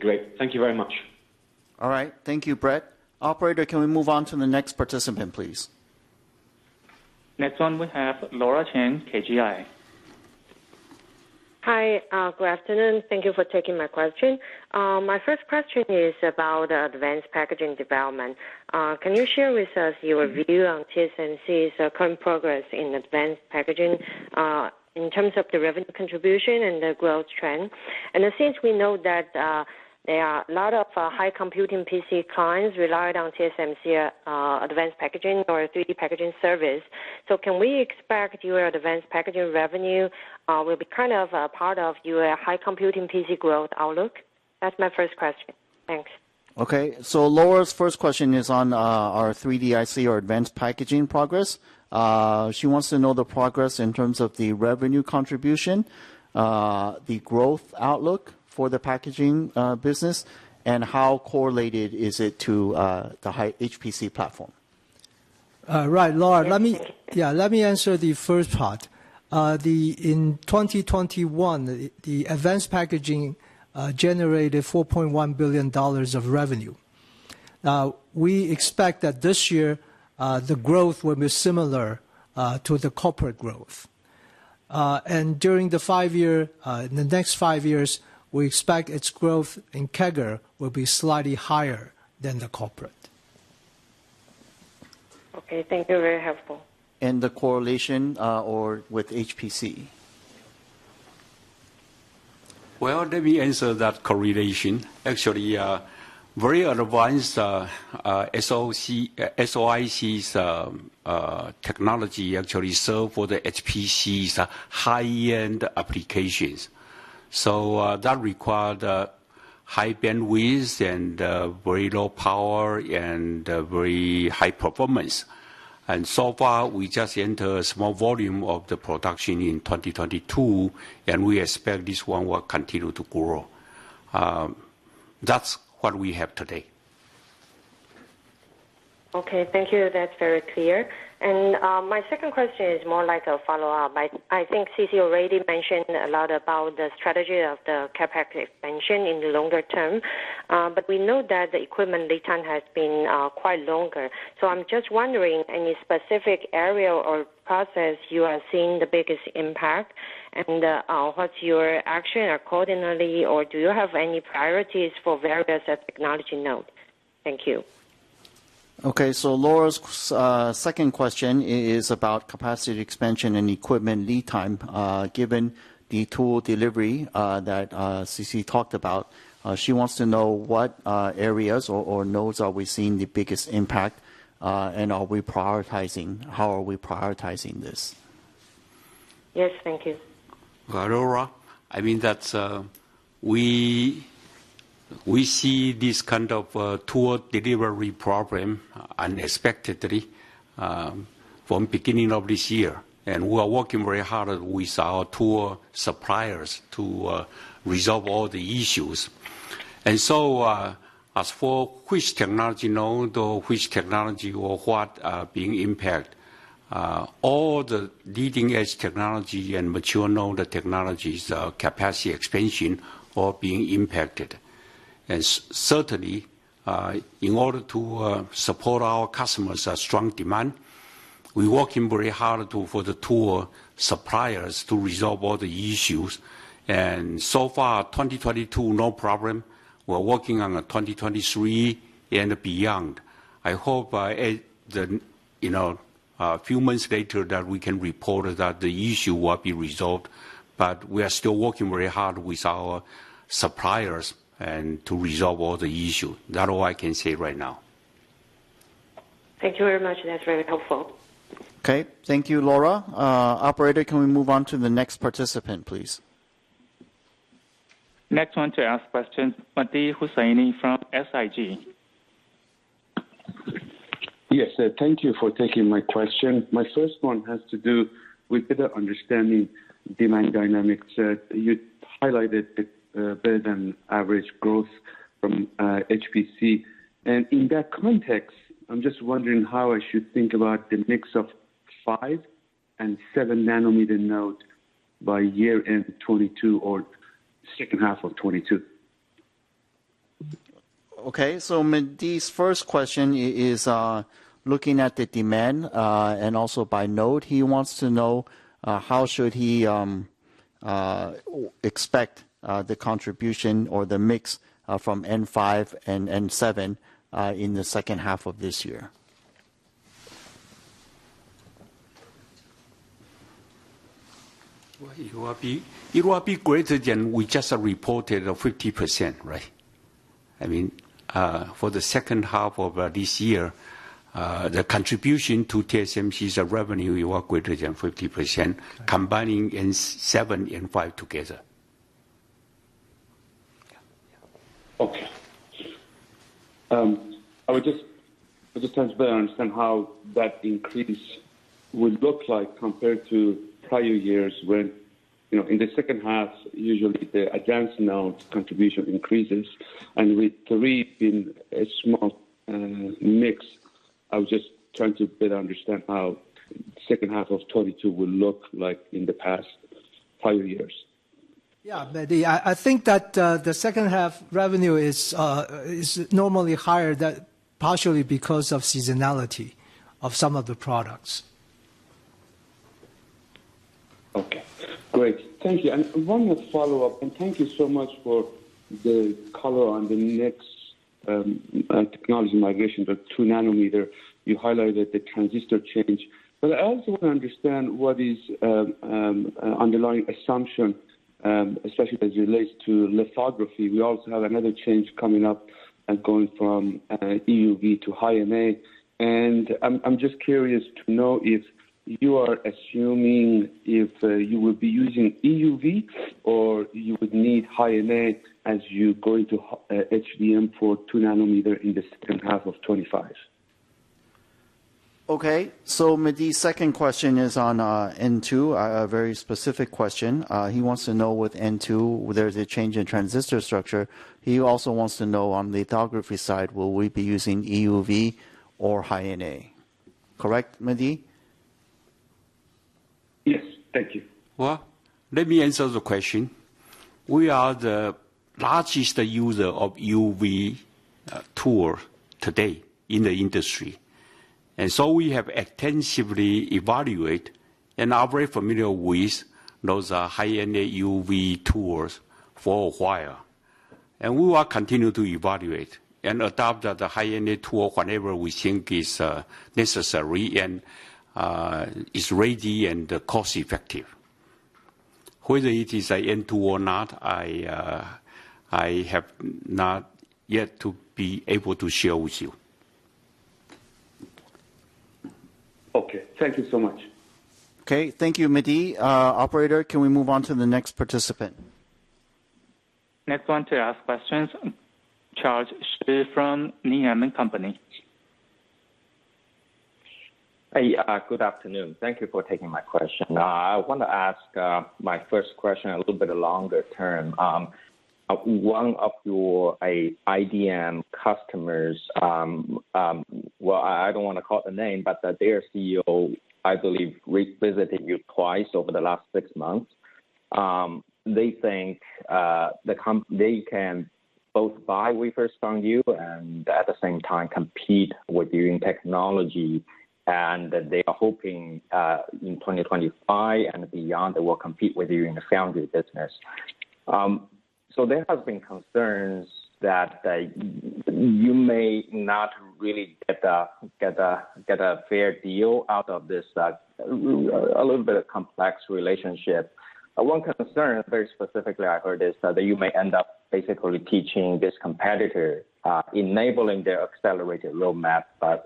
K: Great. Thank you very much.
A: All right. Thank you, Brett. Operator, can we move on to the next participant, please?
D: Next one we have Laura Chen, KGI.
L: Hi, good afternoon. Thank you for taking my question. My first question is about advanced packaging development. Can you share with us your view on TSMC's current progress in advanced packaging, in terms of the revenue contribution and the growth trend? Since we know that there are a lot of HPC clients relied on TSMC advanced packaging or 3D packaging service, so can we expect your advanced packaging revenue will be kind of a part of your HPC growth outlook? That's my first question. Thanks.
A: Laura's first question is on our 3D IC or advanced packaging progress. She wants to know the progress in terms of the revenue contribution, the growth outlook for the packaging business, and how correlated is it to the high HPC platform.
C: Right. Laura, let me answer the first part. In 2021, the advanced packaging generated $4.1 billion of revenue. Now, we expect that this year, the growth will be similar to the corporate growth. During the next five years, we expect its growth in CAGR will be slightly higher than the corporate.
L: Okay, thank you. Very helpful.
A: The correlation, or with HPC.
C: Well, let me answer that correlation. Actually, very advanced SoIC technology actually serve for the HPC's high-end applications. That require the high bandwidth and very low power and very high performance. So far, we just enter a small volume of the production in 2022, and we expect this one will continue to grow. That's what we have today.
L: Okay. Thank you. That's very clear. My second question is more like a follow-up. I think C.C. already mentioned a lot about the strategy of the CapEx expansion in the longer term, but we know that the equipment lead time has been quite longer. I'm just wondering, any specific area or process you are seeing the biggest impact? What's your action accordingly, or do you have any priorities for various technology node? Thank you.
A: Okay. Laura's second question is about capacity expansion and equipment lead time, given the tool delivery that C.C. talked about. She wants to know what areas or nodes are we seeing the biggest impact, and are we prioritizing. How are we prioritizing this?
L: Yes, thank you.
C: Laura, I mean that we see this kind of tool delivery problem unexpectedly from the beginning of this year. We are working very hard with our tool suppliers to resolve all the issues. As for which technology node or which technology or what being impacted, all the leading-edge technology and mature node technologies, capacity expansion, all being impacted. Certainly, in order to support our customers' strong demand, we're working very hard for the tool suppliers to resolve all the issues. So far, 2022, no problem. We're working on the 2023 and beyond. I hope, you know, a few months later that we can report that the issue will be resolved, but we are still working very hard with our suppliers to resolve all the issues. That's all I can say right now.
L: Thank you very much. That's very helpful.
A: Okay. Thank you, Laura. Operator, can we move on to the next participant, please?
D: Next one to ask question, Mehdi Hosseini from SIG.
M: Yes. Thank you for taking my question. My first one has to do with better understanding demand dynamics. You highlighted the better than average growth from HPC. In that context, I'm just wondering how I should think about the mix of 5 and 7-nanometer node by year-end 2022 or second half of 2022.
A: Okay. Mehdi's first question is looking at the demand, and also by node. He wants to know, how should he expect the contribution or the mix, from N5 and N7, in the second half of this year.
C: Well, it will be greater than we just reported, 50%, right? I mean, for the second half of this year, the contribution to TSMC's revenue will be greater than 50%, combining N7 and N5 together.
M: Okay. Just to understand how that increase will look like compared to prior years when, you know, in the second half, usually the advanced node contribution increases, and with three being a small mix, I was just trying to better understand how second half of 2022 will look like in the past five years.
C: Yeah, Mehdi. I think that the second half revenue is normally higher than the first half, partially because of seasonality of some of the products.
M: Okay, great. Thank you. One more follow-up, and thank you so much for the color on the next technology migration, the 2-nanometer. You highlighted the transistor change. I also want to understand what the underlying assumption is, especially as it relates to lithography. We also have another change coming up and going from EUV to High-NA. I'm just curious to know if you are assuming you will be using EUV or you would need High-NA as you go into HVM for 2-nanometer in the second half of 2025.
A: Okay. Mehdi's second question is on N2. A very specific question. He wants to know with N2, there's a change in transistor structure. He also wants to know on the lithography side, will we be using EUV or High-NA? Correct, Mehdi?
M: Yes. Thank you.
C: Well, let me answer the question. We are the largest user of EUV tool today in the industry. We have extensively evaluate and are very familiar with those, High-NA EUV tools for a while. We will continue to evaluate and adopt the High-NA tool whenever we think is necessary and is ready and cost effective. Whether it is a N2 or not, I have not yet to be able to share with you.
M: Okay. Thank you so much.
A: Okay. Thank you, Mehdi. Operator, can we move on to the next participant?
D: Next one to ask questions, Charles Shi from Needham & Company.
N: Good afternoon. Thank you for taking my question. I want to ask my first question a little bit longer term. One of your IDM customers, well, I don't want to call the name, but their CEO, I believe, revisited you twice over the last six months. They think they can both buy wafers from you and at the same time compete with you in technology, and that they are hoping in 2025 and beyond, they will compete with you in the foundry business. There has been concerns that you may not really get a fair deal out of this a little bit of complex relationship. One concern very specifically I heard is that you may end up basically teaching this competitor, enabling their accelerated roadmap, but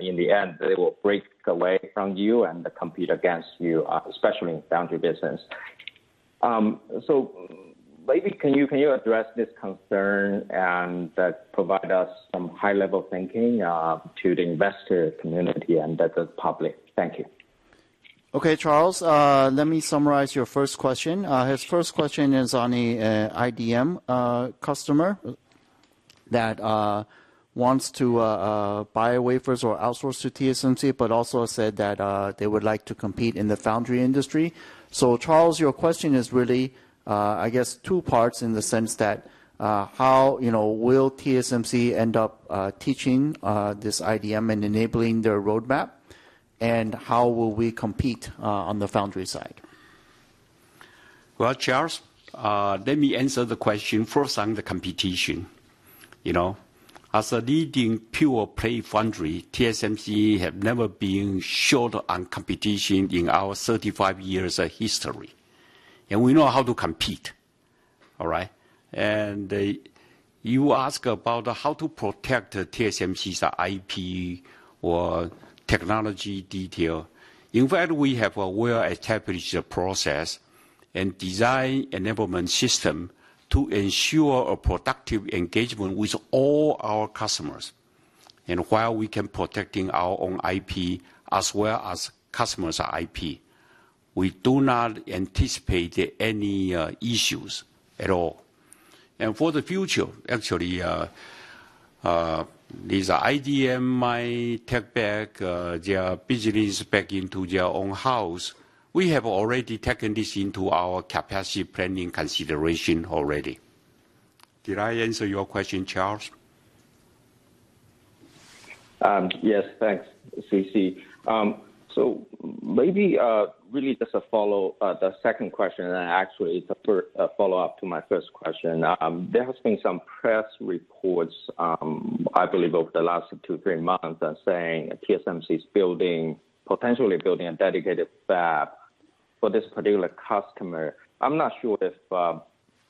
N: in the end, they will break away from you and compete against you, especially in foundry business. Maybe can you address this concern and provide us some high-level thinking to the investor community and the public? Thank you.
A: Okay, Charles. Let me summarize your first question. His first question is on a IDM customer that wants to buy wafers or outsource to TSMC, but also said that they would like to compete in the foundry industry. Charles, your question is really two parts in the sense that how will TSMC end up teaching this IDM and enabling their roadmap, and how will we compete on the foundry side?
C: Well, Charles, let me answer the question first on the competition. You know, as a leading pure-play foundry, TSMC have never been short on competition in our 35 years of history, and we know how to compete, all right? You ask about how to protect TSMC's IP or technology detail. In fact, we have a well-established process and design enablement system to ensure a productive engagement with all our customers. While we can protect our own IP as well as customers' IP, we do not anticipate any issues at all. For the future, actually, these IDM might take back their business into their own house. We have already taken this into our capacity planning consideration already. Did I answer your question, Charles?
N: Yes. Thanks, C.C. Maybe really just to follow the second question, and actually it's a follow-up to my first question. There has been some press reports, I believe over the last two to three months saying TSMC is building, potentially building a dedicated fab for this particular customer. I'm not sure if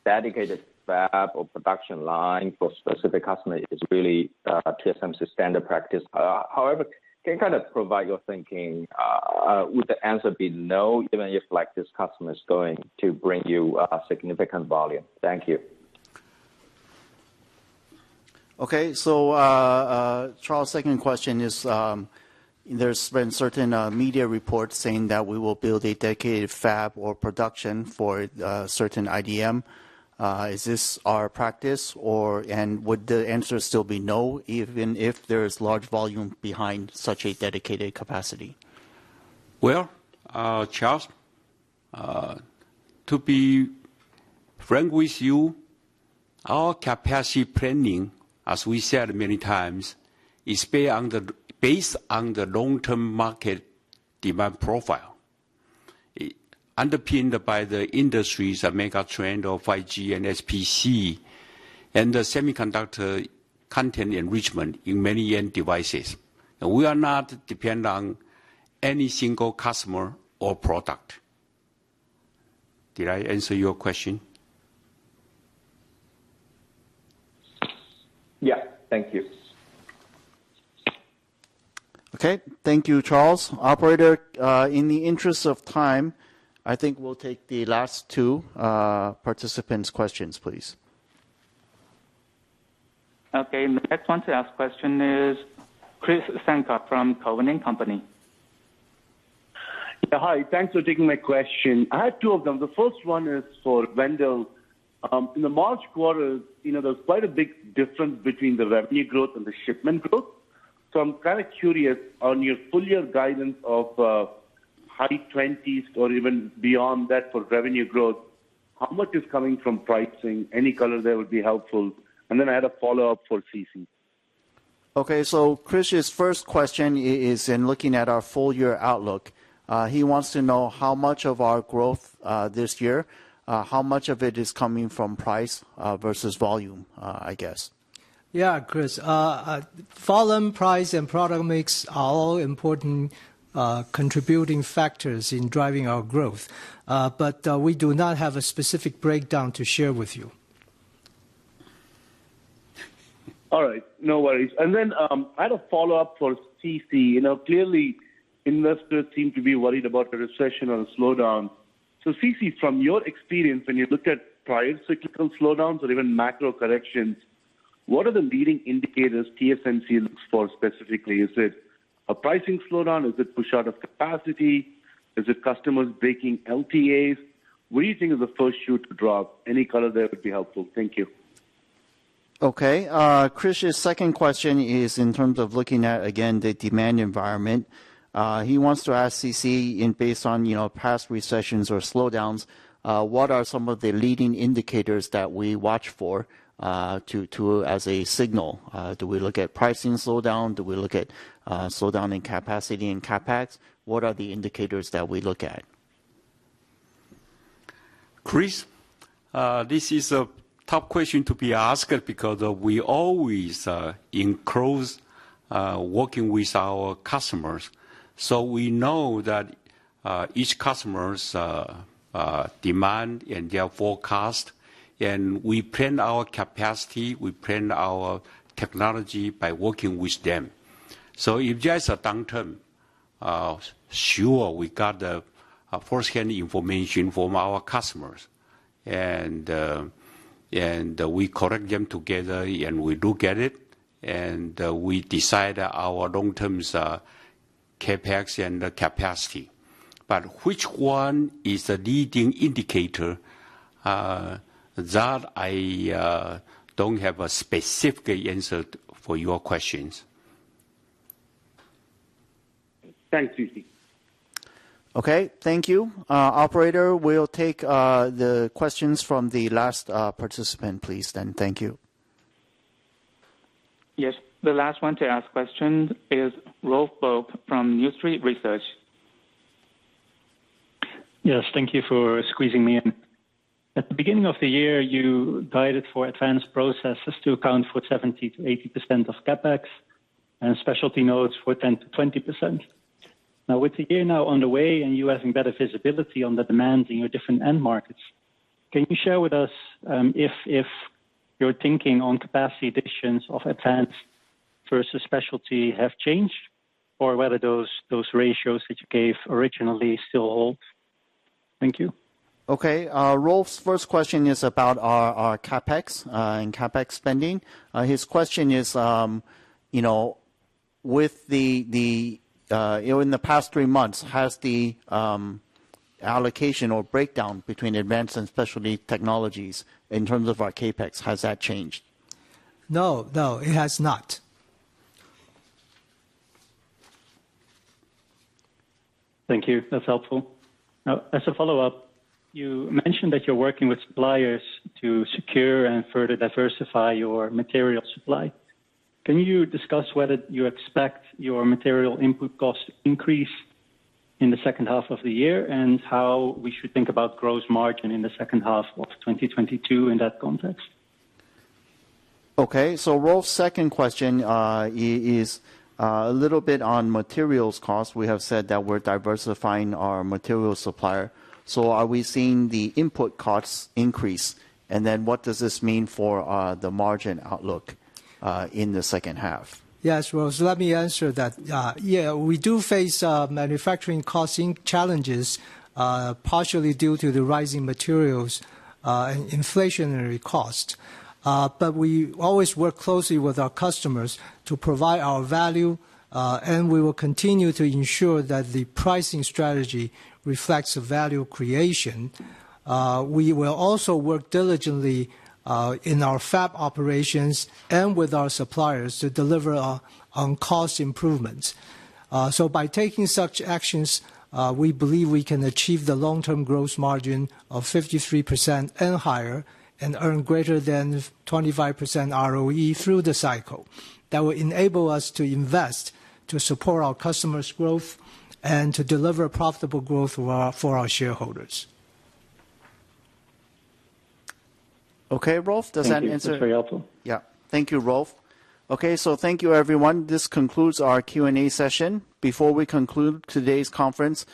N: dedicated fab or production line for specific customer is really TSMC standard practice. However, can you kind of provide your thinking? Would the answer be no even if, like, this customer is going to bring you significant volume? Thank you.
A: Charles, second question is, there's been certain media reports saying that we will build a dedicated fab or production for a certain IDM. Is this our practice, and would the answer still be no even if there is large volume behind such a dedicated capacity?
C: Well, Charles, to be frank with you, our capacity planning, as we said many times, is based on the long-term market demand profile. Underpinned by the industries that make up the trend of 5G and HPC and the semiconductor content enrichment in many end devices. We are not dependent on any single customer or product. Did I answer your question?
N: Yeah. Thank you.
A: Okay. Thank you, Charles. Operator, in the interest of time, I think we'll take the last two participants' questions, please.
D: Okay. The next one to ask a question is Krish Sankar from TD Cowen.
O: Yeah, hi. Thanks for taking my question. I have two of them. The first one is for Wendell. In the March quarter, you know, there's quite a big difference between the revenue growth and the shipment growth. I'm kind of curious on your full year guidance of high 20s% or even beyond that for revenue growth, how much is coming from pricing? Any color there would be helpful. Then I had a follow-up for C.C.
A: Okay. Krish's first question is in looking at our full year outlook. He wants to know how much of our growth this year, how much of it is coming from price versus volume, I guess.
B: Yeah, Krish. Volume, price, and product mix are all important contributing factors in driving our growth. We do not have a specific breakdown to share with you.
O: All right. No worries. Then, I had a follow-up for C.C. You know, clearly investors seem to be worried about a recession or a slowdown. C.C., from your experience, when you looked at prior cyclical slowdowns or even macro corrections, what are the leading indicators TSMC looks for specifically? Is it a pricing slowdown? Is it push out of capacity? Is it customers breaking LTAs? What do you think is the first shoe to drop? Any color there would be helpful. Thank you.
A: Okay. Krish's second question is in terms of looking at, again, the demand environment. He wants to ask C.C. based on, you know, past recessions or slowdowns, what are some of the leading indicators that we watch for as a signal? Do we look at pricing slowdown? Do we look at slowdown in capacity and CapEx? What are the indicators that we look at?
C: Krish, this is a tough question to be asked because we always in close working with our customers, so we know that each customer's demand and their forecast, and we plan our capacity, we plan our technology by working with them. If there's a downturn, sure, we got a firsthand information from our customers. We correct them together, and we look at it, and we decide our long-term CapEx and the capacity. Which one is the leading indicator that I don't have a specific answer for your questions.
O: Thanks, C.C.
A: Okay. Thank you. Operator, we'll take the questions from the last participant, please, then. Thank you.
D: Yes. The last one to ask questions is Rolf Bulk from New Street Research.
P: Yes. Thank you for squeezing me in. At the beginning of the year, you guided for advanced processes to account for 70%-80% of CapEx and specialty nodes for 10%-20%. Now, with the year now underway and you having better visibility on the demand in your different end markets, can you share with us, if your thinking on capacity additions of advanced versus specialty have changed or whether those ratios that you gave originally still hold? Thank you.
A: Okay. Rolf's first question is about our CapEx and CapEx spending. His question is, you know, in the past three months, has the allocation or breakdown between advanced and specialty technologies in terms of our CapEx, has that changed?
C: No. No, it has not.
P: Thank you. That's helpful. Now, as a follow-up, you mentioned that you're working with suppliers to secure and further diversify your material supply. Can you discuss whether you expect your material input costs to increase in the second half of the year, and how we should think about gross margin in the second half of 2022 in that context?
A: Okay, Rolf's second question is a little bit on materials cost. We have said that we're diversifying our material supplier. Are we seeing the input costs increase? What does this mean for the margin outlook in the second half?
C: Yes, Rolf. Let me answer that. Yeah, we do face manufacturing costing challenges partially due to the rising materials and inflationary cost. We always work closely with our customers to provide our value, and we will continue to ensure that the pricing strategy reflects the value creation. We will also work diligently in our fab operations and with our suppliers to deliver on cost improvements. By taking such actions, we believe we can achieve the long-term gross margin of 53% and higher and earn greater than 25% ROE through the cycle. That will enable us to invest to support our customers' growth and to deliver profitable growth for our shareholders.
A: Okay, Rolf, does that answer-
P: Thank you. It's very helpful.
A: Yeah. Thank you, Rolf. Okay, thank you, everyone. This concludes our Q&A session. Before we conclude today's conference,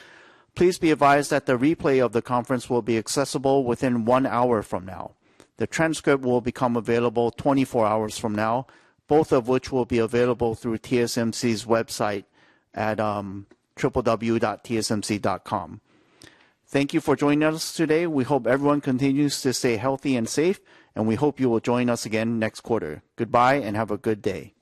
A: please be advised that the replay of the conference will be accessible within 1 hour from now. The transcript will become available 24 hours from now, both of which will be available through TSMC's website at www.tsmc.com. Thank you for joining us today. We hope everyone continues to stay healthy and safe, and we hope you will join us again next quarter. Goodbye, and have a good day.